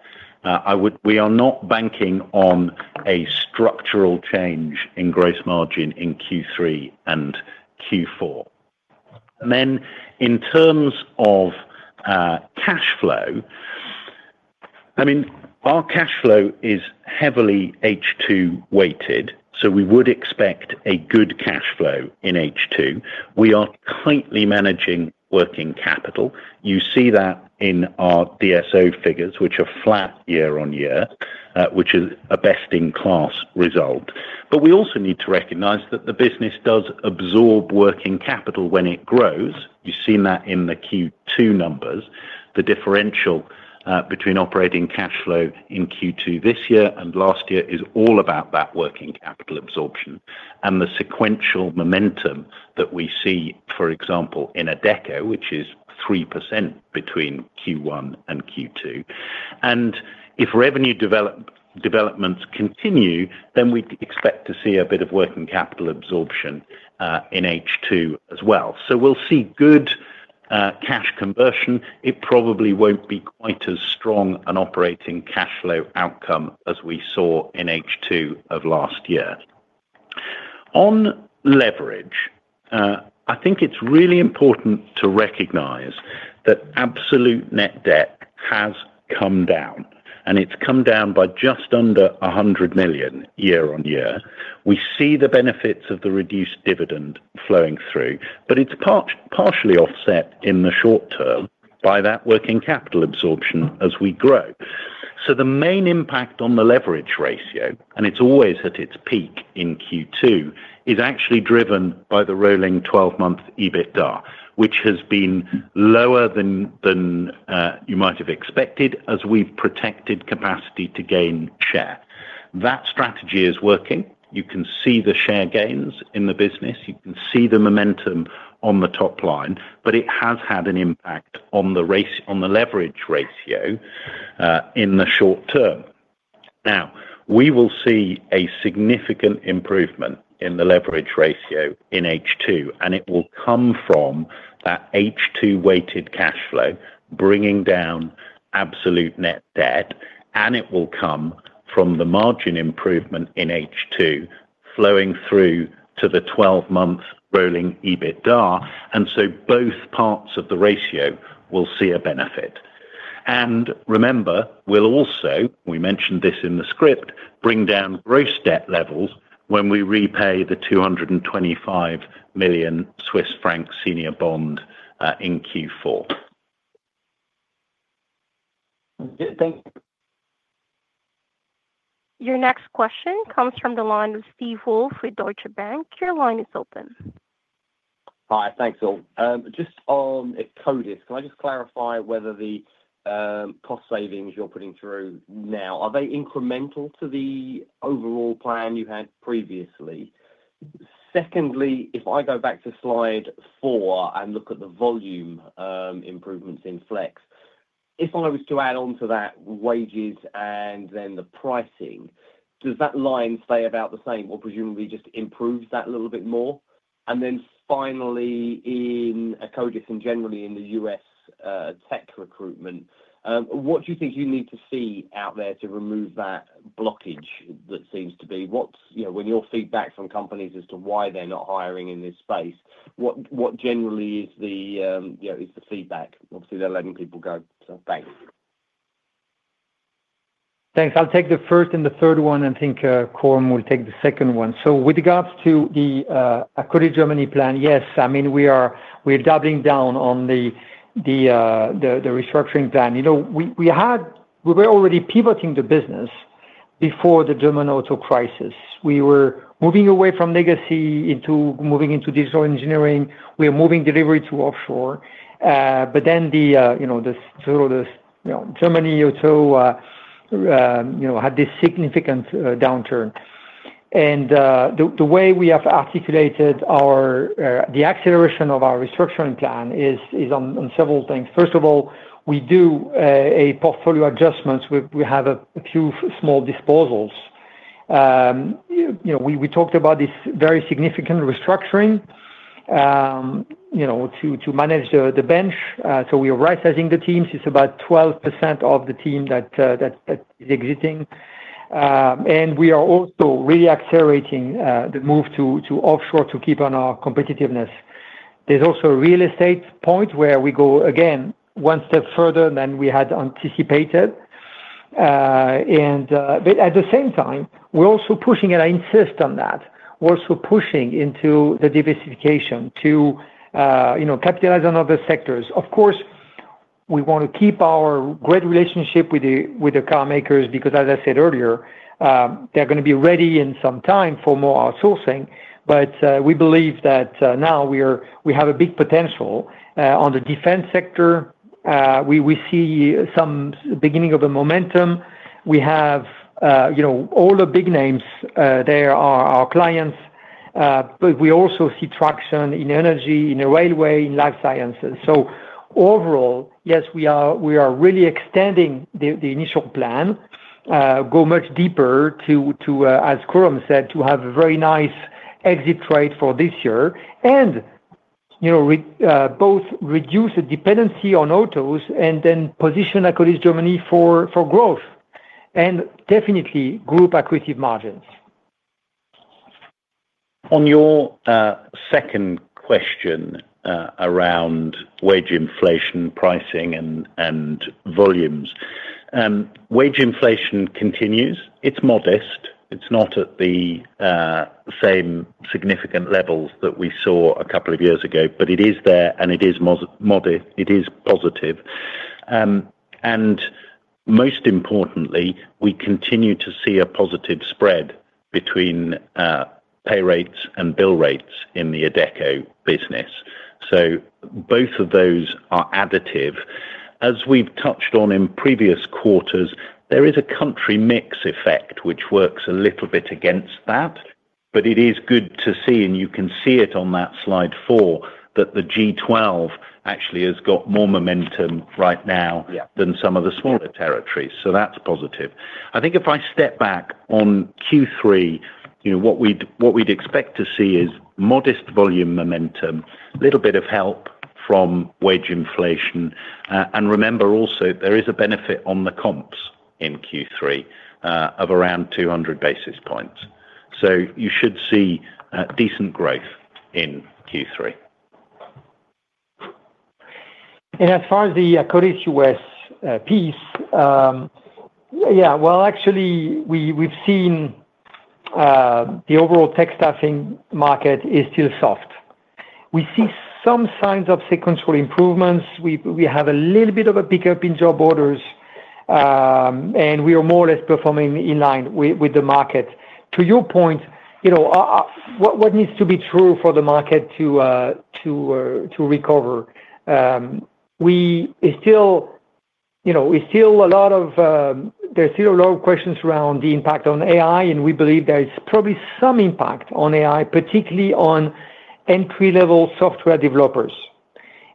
We are not banking on a structural change in gross margin in Q3 and Q4. In terms of cash flow, our cash flow is heavily H2 weighted, so we would expect a good cash flow in H2. We are tightly managing working capital. You see that in our DSO figures, which are flat year-on-year, which is a best-in-class result. We also need to recognize that the business does absorb working capital when it grows. You've seen that in the Q2 numbers. The differential between operating cash flow in Q2 this year and last year is all about that working capital absorption and the sequential momentum that we see, for example, in Adecco, which is 3% between Q1 and Q2. If revenue developments continue, then we'd expect to see a bit of working capital absorption in H2 as well. We'll see good cash conversion. It probably won't be quite as strong an operating cash flow outcome as we saw in H2 of last year. On leverage, I think it's really important to recognize that absolute net debt has come down, and it's come down by just under $100 million year-on-year. We see the benefits of the reduced dividend flowing through, but it's partially offset in the short term by that working capital absorption as we grow. The main impact on the leverage ratio, and it's always at its peak in Q2, is actually driven by the rolling 12-month EBITDA, which has been lower than you might have expected as we've protected capacity to gain share. That strategy is working. You can see the share gains in the business. You can see the momentum on the top line, but it has had an impact on the leverage ratio in the short term. We will see a significant improvement in the leverage ratio in H2, and it will come from that H2 weighted cash flow bringing down absolute net debt, and it will come from the margin improvement in H2 flowing through to the 12-month rolling EBITDA. Both parts of the ratio will see a benefit. Remember, we also, we mentioned this in the script, bring down gross debt levels when we repay the 225 million Swiss franc senior bond in Q4. Thank you. Your next question comes from the line of Steve Wolf with Deutsche Bank. Your line is open. Hi, thanks, all. Just on Akkodis Germany, can I just clarify whether the cost savings you're putting through now, are they incremental to the overall plan you had previously? Secondly, if I go back to slide four and look at the volume improvements in flex, if I was to add on to that wages and then the pricing, does that line stay about the same or presumably just improve that a little bit more? Finally, in Akkodis Germany and generally in the U.S. tech recruitment, what do you think you need to see out there to remove that blockage that seems to be? What's, you know, when your feedback from companies as to why they're not hiring in this space, what generally is the feedback? Obviously, they're letting people go. Thanks. Thanks. I'll take the first and the third one. I think Coram will take the second one. With regards to the Akkodis Germany plan, yes, I mean, we're doubling down on the restructuring plan. We were already pivoting the business before the German auto crisis. We were moving away from legacy into moving into digital engineering. We are moving delivery to offshore. The Germany auto had this significant downturn. The way we have articulated the acceleration of our restructuring plan is on several things. First of all, we do a portfolio adjustment. We have a few small disposals. We talked about this very significant restructuring to manage the bench. We are right-sizing the teams. It's about 12% of the team that is exiting. We are also really accelerating the move to offshore to keep on our competitiveness. There's also a real estate point where we go, again, one step further than we had anticipated. At the same time, we're also pushing, and I insist on that, we're also pushing into the diversification to capitalize on other sectors. Of course, we want to keep our great relationship with the carmakers because, as I said earlier, they're going to be ready in some time for more outsourcing. We believe that now we have a big potential on the defense sector. We see some beginning of a momentum. We have all the big names there, our clients, but we also see traction in energy, in the railway, in life sciences. Overall, yes, we are really extending the initial plan, go much deeper to, as Coram said, to have a very nice exit rate for this year and both reduce the dependency on autos and then position Akkodis Germany for growth and definitely group acquisitive margins. On your second question around wage inflation, pricing, and volumes, wage inflation continues. It's modest. It's not at the same significant levels that we saw a couple of years ago, but it is there and it is modest. It is positive. Most importantly, we continue to see a positive spread between pay rates and bill rates in the Adecco business. Both of those are additive. As we've touched on in previous quarters, there is a country mix effect, which works a little bit against that. It is good to see, and you can see it on that slide four, that the G12 actually has got more momentum right now than some of the smaller territories. That's positive. I think if I step back on Q3, you know what we'd expect to see is modest volume momentum, a little bit of help from wage inflation. Remember also, there is a benefit on the comps in Q3 of around 200 basis points. You should see decent growth in Q3. As far as the Akkodis US piece, actually, we've seen the overall tech staffing market is still soft. We see some signs of sequential improvements. We have a little bit of a pickup in job orders, and we are more or less performing in line with the market. To your point, you know what needs to be true for the market to recover? We still, you know, there's still a lot of questions around the impact on AI, and we believe there is probably some impact on AI, particularly on entry-level software developers.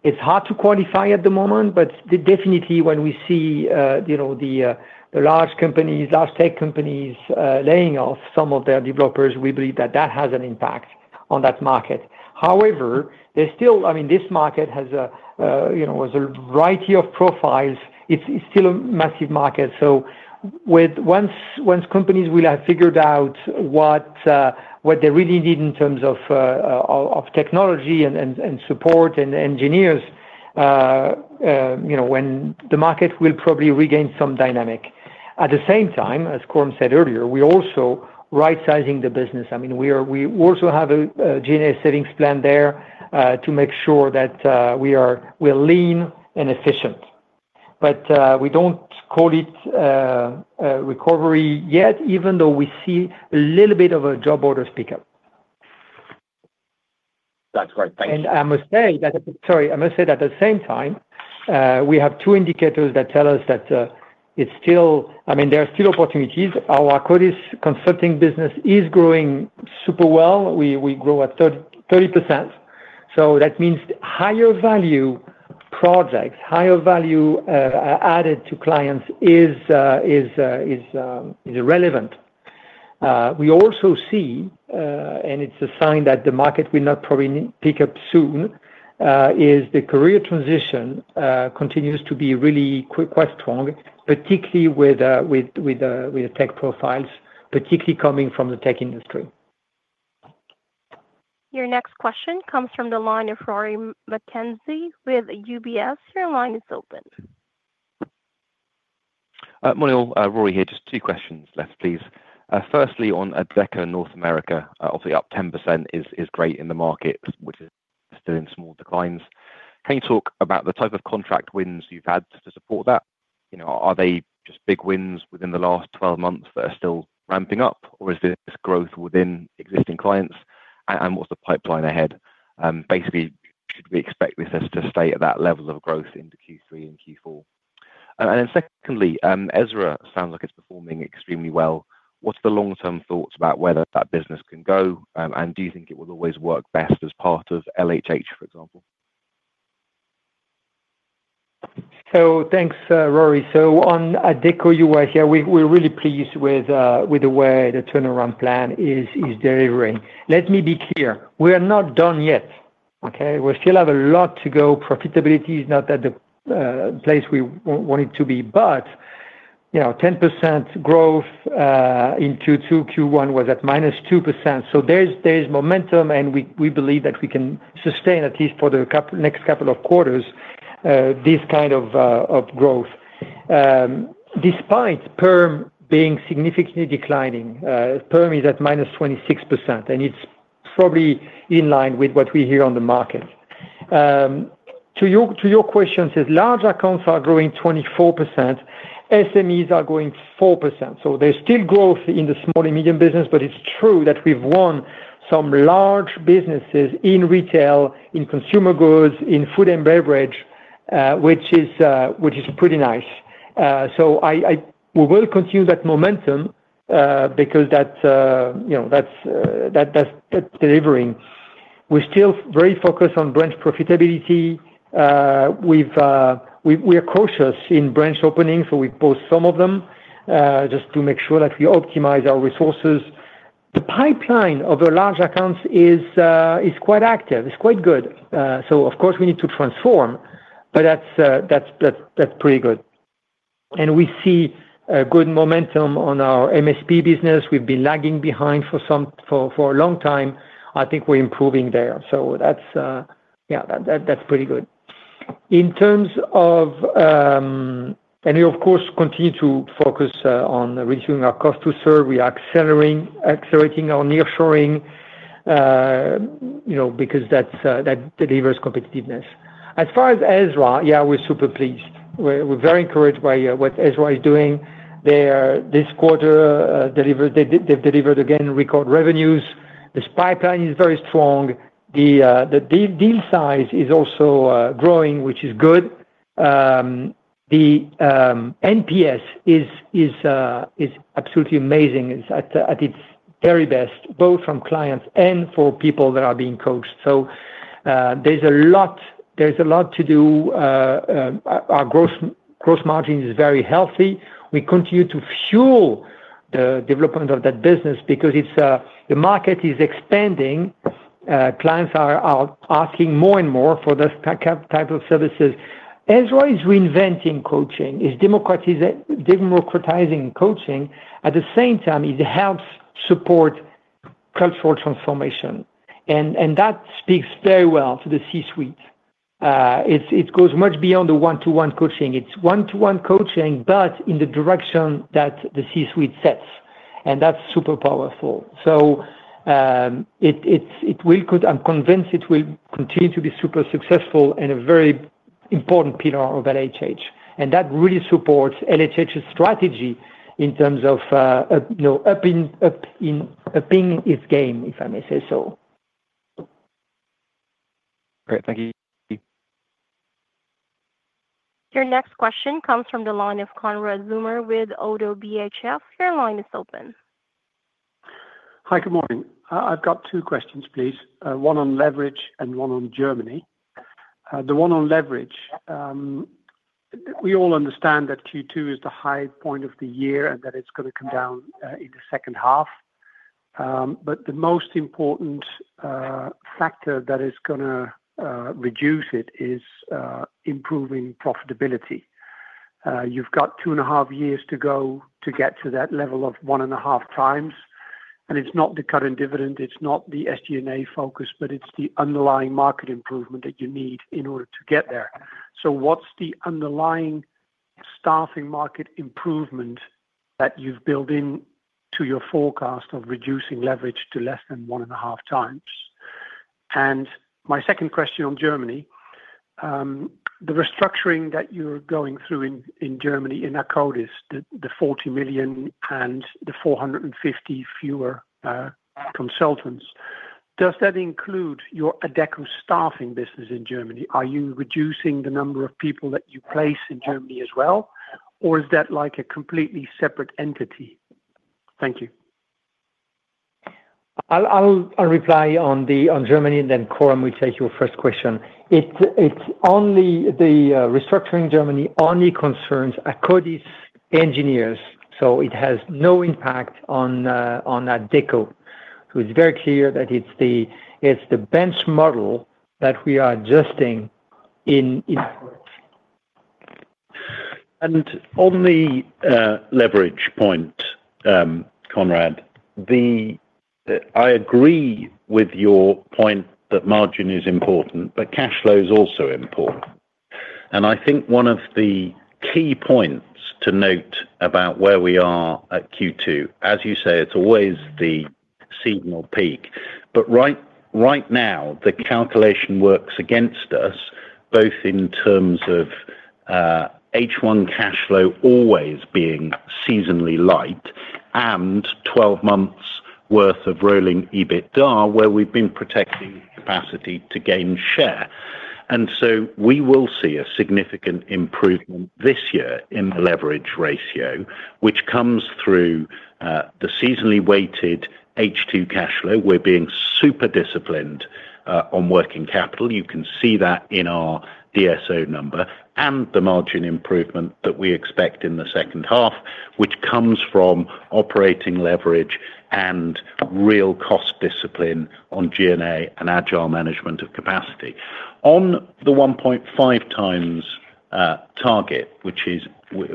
It's hard to quantify at the moment, but definitely when we see the large companies, large tech companies laying off some of their developers, we believe that that has an impact on that market. However, there's still, I mean, this market has a variety of profiles. It's still a massive market. Once companies have figured out what they really need in terms of technology and support and engineers, the market will probably regain some dynamic. At the same time, as Coram said earlier, we're also right-sizing the business. I mean, we also have a G&A savings plan there to make sure that we are lean and efficient. We don't call it recovery yet, even though we see a little bit of a job orders pickup. That's great. Thank you. I must say that at the same time, we have two indicators that tell us that it's still, I mean, there are still opportunities. Our Akkodis consulting business is growing super well. We grow at 30%. That means higher value projects, higher value added to clients is relevant. We also see, and it's a sign that the market will not probably pick up soon, the career transition continues to be really quite strong, particularly with the tech profiles, particularly coming from the tech industry. Your next question comes from the line of Rory Edward McKenzie with UBS. Your line is open. Morning, all. Rory here. Just two questions left, please. Firstly, on Adecco North America, obviously up 10% is great in the markets, which is still in small declines. Can you talk about the type of contract wins you've had to support that? Are they just big wins within the last 12 months that are still ramping up, or is this growth within existing clients? What's the pipeline ahead? Basically, should we expect this to stay at that level of growth into Q3 and Q4? Secondly, Ezra sounds like it's performing extremely well. What's the long-term thoughts about whether that business can go, and do you think it will always work best as part of LHH, for example? Thanks, Rory. On Adecco US, we're really pleased with the way the turnaround plan is delivering. Let me be clear. We're not done yet. We still have a lot to go. Profitability is not at the place we want it to be, but you know, 10% growth in Q2, Q1 was at -2%. There's momentum, and we believe that we can sustain, at least for the next couple of quarters, this kind of growth. Despite Perm being significantly declining, Perm is at -26%, and it's probably in line with what we hear on the market. To your question, since larger accounts are growing 24%, SMEs are growing 4%. There's still growth in the small and medium business, but it's true that we've won some large businesses in retail, in consumer goods, in food and beverage, which is pretty nice. We will continue that momentum because that's delivering. We're still very focused on branch profitability. We are cautious in branch openings, so we pause some of them just to make sure that we optimize our resources. The pipeline of the large accounts is quite active. It's quite good. We need to transform, but that's pretty good. We see a good momentum on our MSP business. We've been lagging behind for a long time. I think we're improving there. That's pretty good. We, of course, continue to focus on reducing our cost to serve. We are accelerating our nearshoring because that delivers competitiveness. As far as Ezra, we're super pleased. We're very encouraged by what Ezra is doing. This quarter, they've delivered again record revenues. This pipeline is very strong. The deal size is also growing, which is good. The NPS is absolutely amazing. It's at its very best, both from clients and for people that are being coached. There's a lot to do. Our gross margin is very healthy. We continue to fuel the development of that business because the market is expanding. Clients are asking more and more for those types of services. Ezra is reinventing coaching, is democratizing coaching. At the same time, it helps support cultural transformation. That speaks very well to the C-suite. It goes much beyond the one-to-one coaching. It's one-to-one coaching, but in the direction that the C-suite sets. That's super powerful. I'm convinced it will continue to be super successful and a very important pillar of LHH. That really supports LHH's strategy in terms of upping its game, if I may say so. Great. Thank you. Your next question comes from the line of Konrad Zomer with Kepler ODDO BHF. Your line is open. Hi, good morning. I've got two questions, please. One on leverage and one on Germany. The one on leverage, we all understand that Q2 is the high point of the year and that it's going to come down in the second half. The most important factor that is going to reduce it is improving profitability. You've got two and a half years to go to get to that level of 1.5x. It's not the cut in dividend, it's not the SG&A focus, but it's the underlying market improvement that you need in order to get there. What's the underlying staffing market improvement that you've built into your forecast of reducing leverage to less than 1.5x? My second question on Germany, the restructuring that you're going through in Germany in Akkodis, the 40 million and the 450 fewer consultants, does that include your Adecco staffing business in Germany? Are you reducing the number of people that you place in Germany as well, or is that like a completely separate entity? Thank you. I'll reply on Germany, and then Coram will take your first question. It's only the restructuring in Germany only concerns Akkodis engineers. It has no impact on Adecco. It's very clear that it's the bench model that we are adjusting in Adecco. On the leverage point, Conrad, I agree with your point that margin is important, but cash flow is also important. I think one of the key points to note about where we are at Q2, as you say, it's always the seasonal peak. Right now, the calculation works against us, both in terms of H1 cash flow always being seasonally light and 12 months' worth of rolling EBITDA, where we've been protecting capacity to gain share. We will see a significant improvement this year in the leverage ratio, which comes through the seasonally weighted H2 cash flow. We're being super disciplined on working capital. You can see that in our DSO number and the margin improvement that we expect in the second half, which comes from operating leverage and real cost discipline on SG&A and agile management of capacity. On the 1.5x target, which is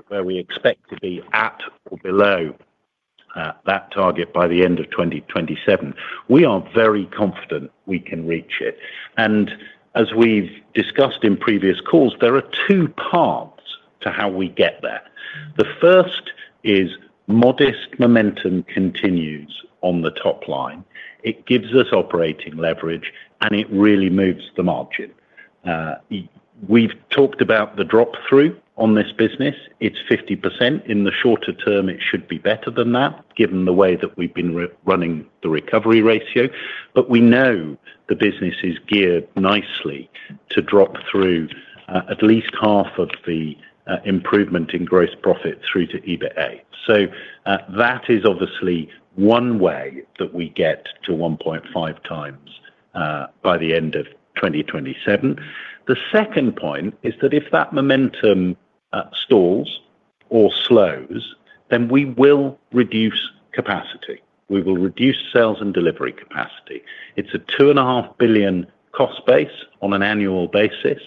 where we expect to be at or below that target by the end of 2027, we are very confident we can reach it. As we've discussed in previous calls, there are two paths to how we get there. The first is modest momentum continues on the top line. It gives us operating leverage, and it really moves the margin. We've talked about the drop-through on this business. It's 50%. In the shorter term, it should be better than that, given the way that we've been running the recovery ratio. The business is geared nicely to drop through at least half of the improvement in gross profit through to EBIT. That is obviously one way that we get to 1.5x by the end of 2027. The second point is that if that momentum stalls or slows, then we will reduce capacity. We will reduce sales and delivery capacity. It's a 2.5 billion cost base on an annual basis.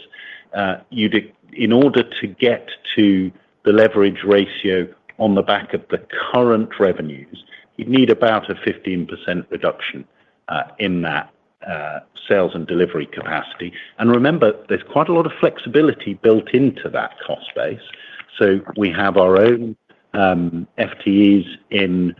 In order to get to the leverage ratio on the back of the current revenues, we'd need about a 15% reduction in that sales and delivery capacity. Remember, there's quite a lot of flexibility built into that cost base. We have our own FTEs in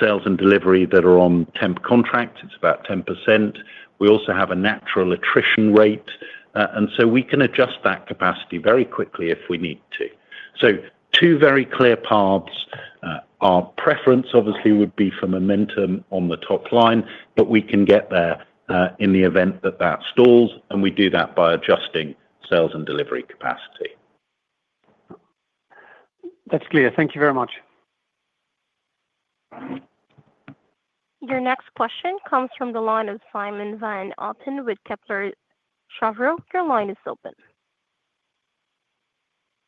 sales and delivery that are on temp contracts. It's about 10%. We also have a natural attrition rate, and we can adjust that capacity very quickly if we need to. Two very clear paths. Our preference obviously would be for momentum on the top line, but we can get there in the event that that stalls, and we do that by adjusting sales and delivery capacity. That's clear. Thank you very much. Your next question comes from the line of Simon Van Oppen with Kepler Cheuvreux. Your line is open.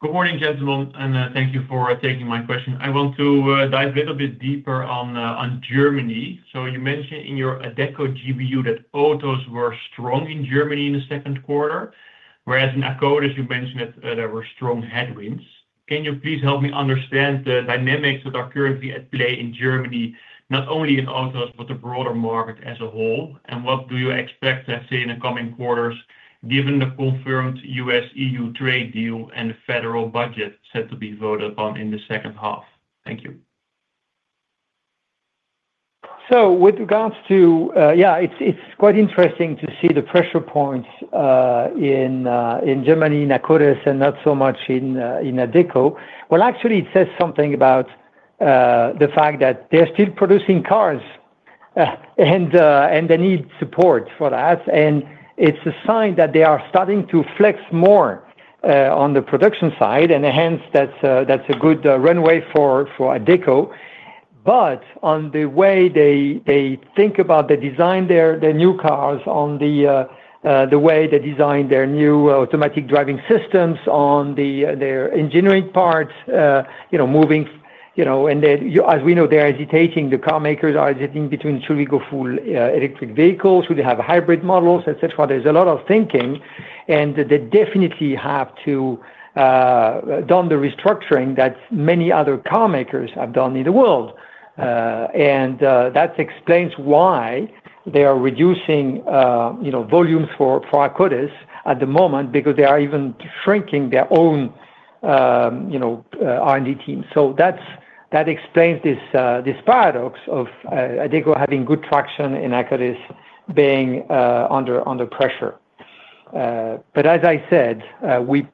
Good morning, Gentlemen, and thank you for taking my question. I want to dive a little bit deeper on Germany. You mentioned in your Adecco GBU that autos were strong in Germany in the second quarter, whereas in Akkodis, as you mentioned, there were strong headwinds. Can you please help me understand the dynamics that are currently at play in Germany, not only in autos, but the broader market as a whole? What do you expect to see in the coming quarters, given the confirmed U.S.-EU trade deal and the federal budget set to be voted on in the second half? Thank you. With regards to, yeah, it's quite interesting to see the pressure points in Germany, in Akkodis Germany, and not so much in Adecco. It says something about the fact that they're still producing cars and they need support for that. It's a sign that they are starting to flex more on the production side, and hence, that's a good runway for Adecco. On the way they think about the design, their new cars, on the way they design their new automatic driving systems, on their engineering parts, you know, moving, you know, and as we know, they're hesitating. The car makers are hesitating between should we go full electric vehicles, should they have hybrid models, etc. There's a lot of thinking, and they definitely have done the restructuring that many other car makers have done in the world. That explains why they are reducing, you know, volumes for Akkodis Germany at the moment, because they are even shrinking their own, you know, R&D team. That explains this paradox of Adecco having good traction and Akkodis Germany being under pressure. As I said, we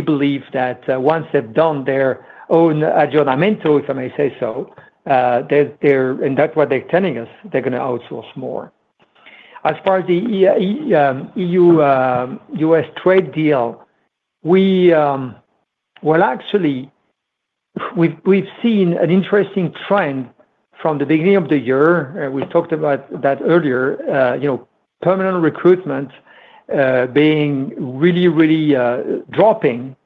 believe that once they've done their own aggiornamento, if I may say so, and that's what they're telling us, they're going to outsource more. As far as the EU-U.S. trade deal, we've seen an interesting trend from the beginning of the year. We've talked about that earlier, permanent recruitment being really, really dropping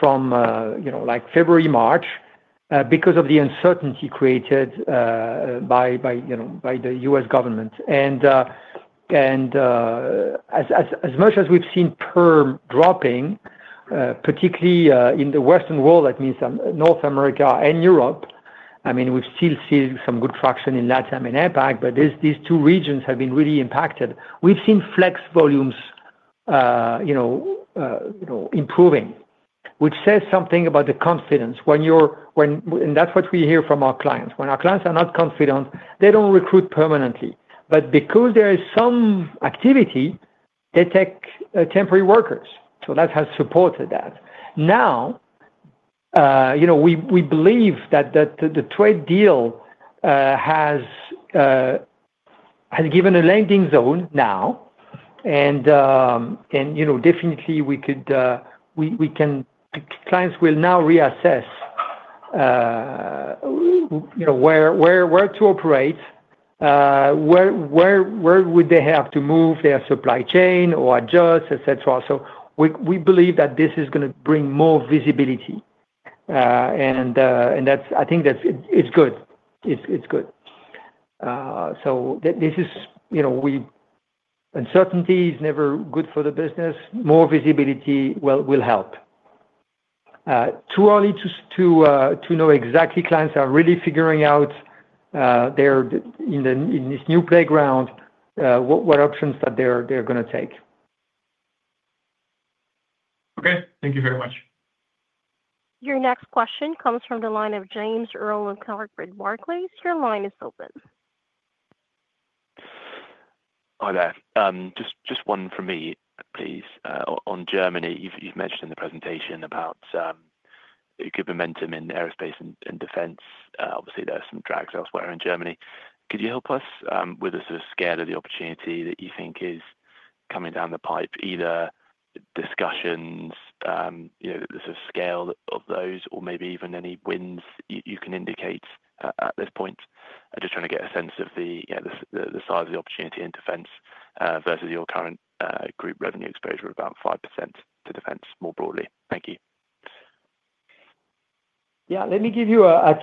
from, you know, like February, March because of the uncertainty created by, you know, by the U.S. government. As much as we've seen perm dropping, particularly in the Western world, that means North America and Europe, we've still seen some good traction in Latin America and APAC, but these two regions have been really impacted. We've seen flex volumes improving, which says something about the confidence when you're, and that's what we hear from our clients. When our clients are not confident, they don't recruit permanently. Because there is some activity, they take temporary workers. That has supported that. We believe that the trade deal has given a landing zone now, and, you know, definitely we could, we can, clients will now reassess, you know, where to operate, where would they have to move their supply chain or adjust, etc. We believe that this is going to bring more visibility, and I think that it's good. It's good. Uncertainty is never good for the business. More visibility will help. Too early to know exactly. Clients are really figuring out in this new playground what options that they're going to take. Okay, thank you very much. Your next question comes from the line of James Rowland Clark at Barclays. Your line is open. Hi there. Just one for me, please. On Germany, you've mentioned in the presentation about good momentum in aerospace and defense. Obviously, there are some drags elsewhere in Germany. Could you help us with a sort of scale of the opportunity that you think is coming down the pipe, either discussions, you know, the sort of scale of those, or maybe even any wins you can indicate at this point? I'm just trying to get a sense of the, yeah, the size of the opportunity in defense versus your current group revenue exposure of about 5% to defense more broadly. Thank you. Yeah, let me give you a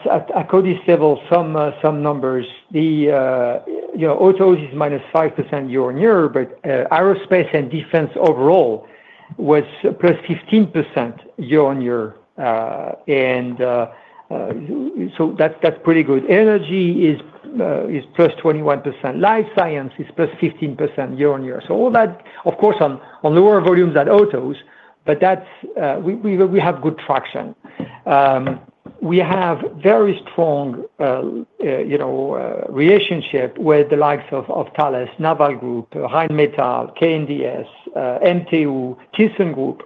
codice of some numbers. Autos is -5% year-on-year, but aerospace and defense overall was +15% year-on-year, and that's pretty good. Energy is plus 21%. Life science is +15% year-on-year. All that, of course, on lower volumes than autos, but we have good traction. We have a very strong relationship with the likes of Thales, Naval Group, Rheinmetall, KNDS, MTU, ThyssenKrupp.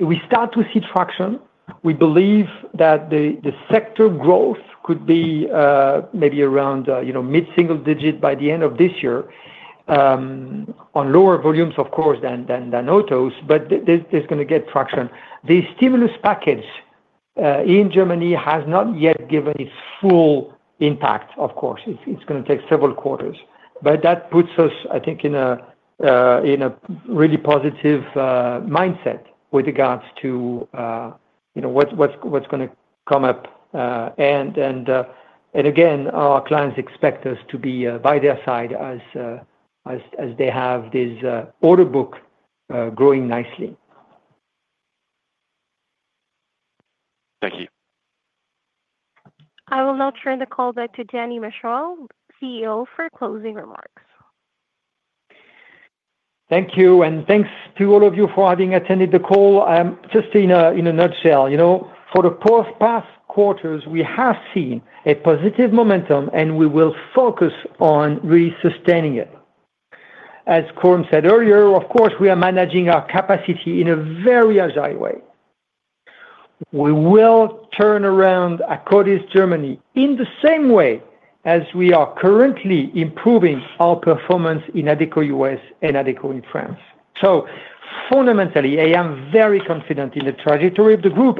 We start to see traction. We believe that the sector growth could be maybe around mid-single digit by the end of this year on lower volumes, of course, than autos, but it's going to get traction. The stimulus package in Germany has not yet given its full impact, of course. It's going to take several quarters. That puts us, I think, in a really positive mindset with regards to what's going to come up. Our clients expect us to be by their side as they have this order book growing nicely. Thank you. I will now turn the call back to Denis Machuel, CEO, for closing remarks. Thank you, and thanks to all of you for having attended the call. Just in a nutshell, you know, for the past quarters, we have seen a positive momentum, and we will focus on really sustaining it. As Coram Williams said earlier, of course, we are managing our capacity in a very agile way. We will turn around Akkodis Germany in the same way as we are currently improving our performance in Adecco USA and Adecco France. Fundamentally, I am very confident in the trajectory of the group.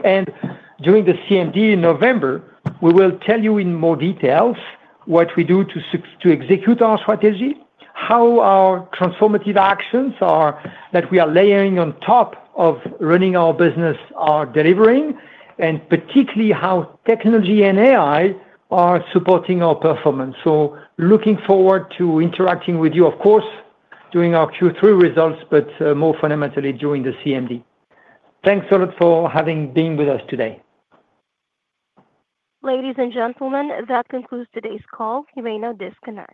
During the CMD in November, we will tell you in more detail what we do to execute our strategy, how our transformative actions that we are layering on top of running our business are delivering, and particularly how technology and AI are supporting our performance. I am looking forward to interacting with you, of course, during our Q3 results, but more fundamentally during the CMD. Thanks a lot for having been with us today. Ladies and gentlemen, that concludes today's call. You may now disconnect.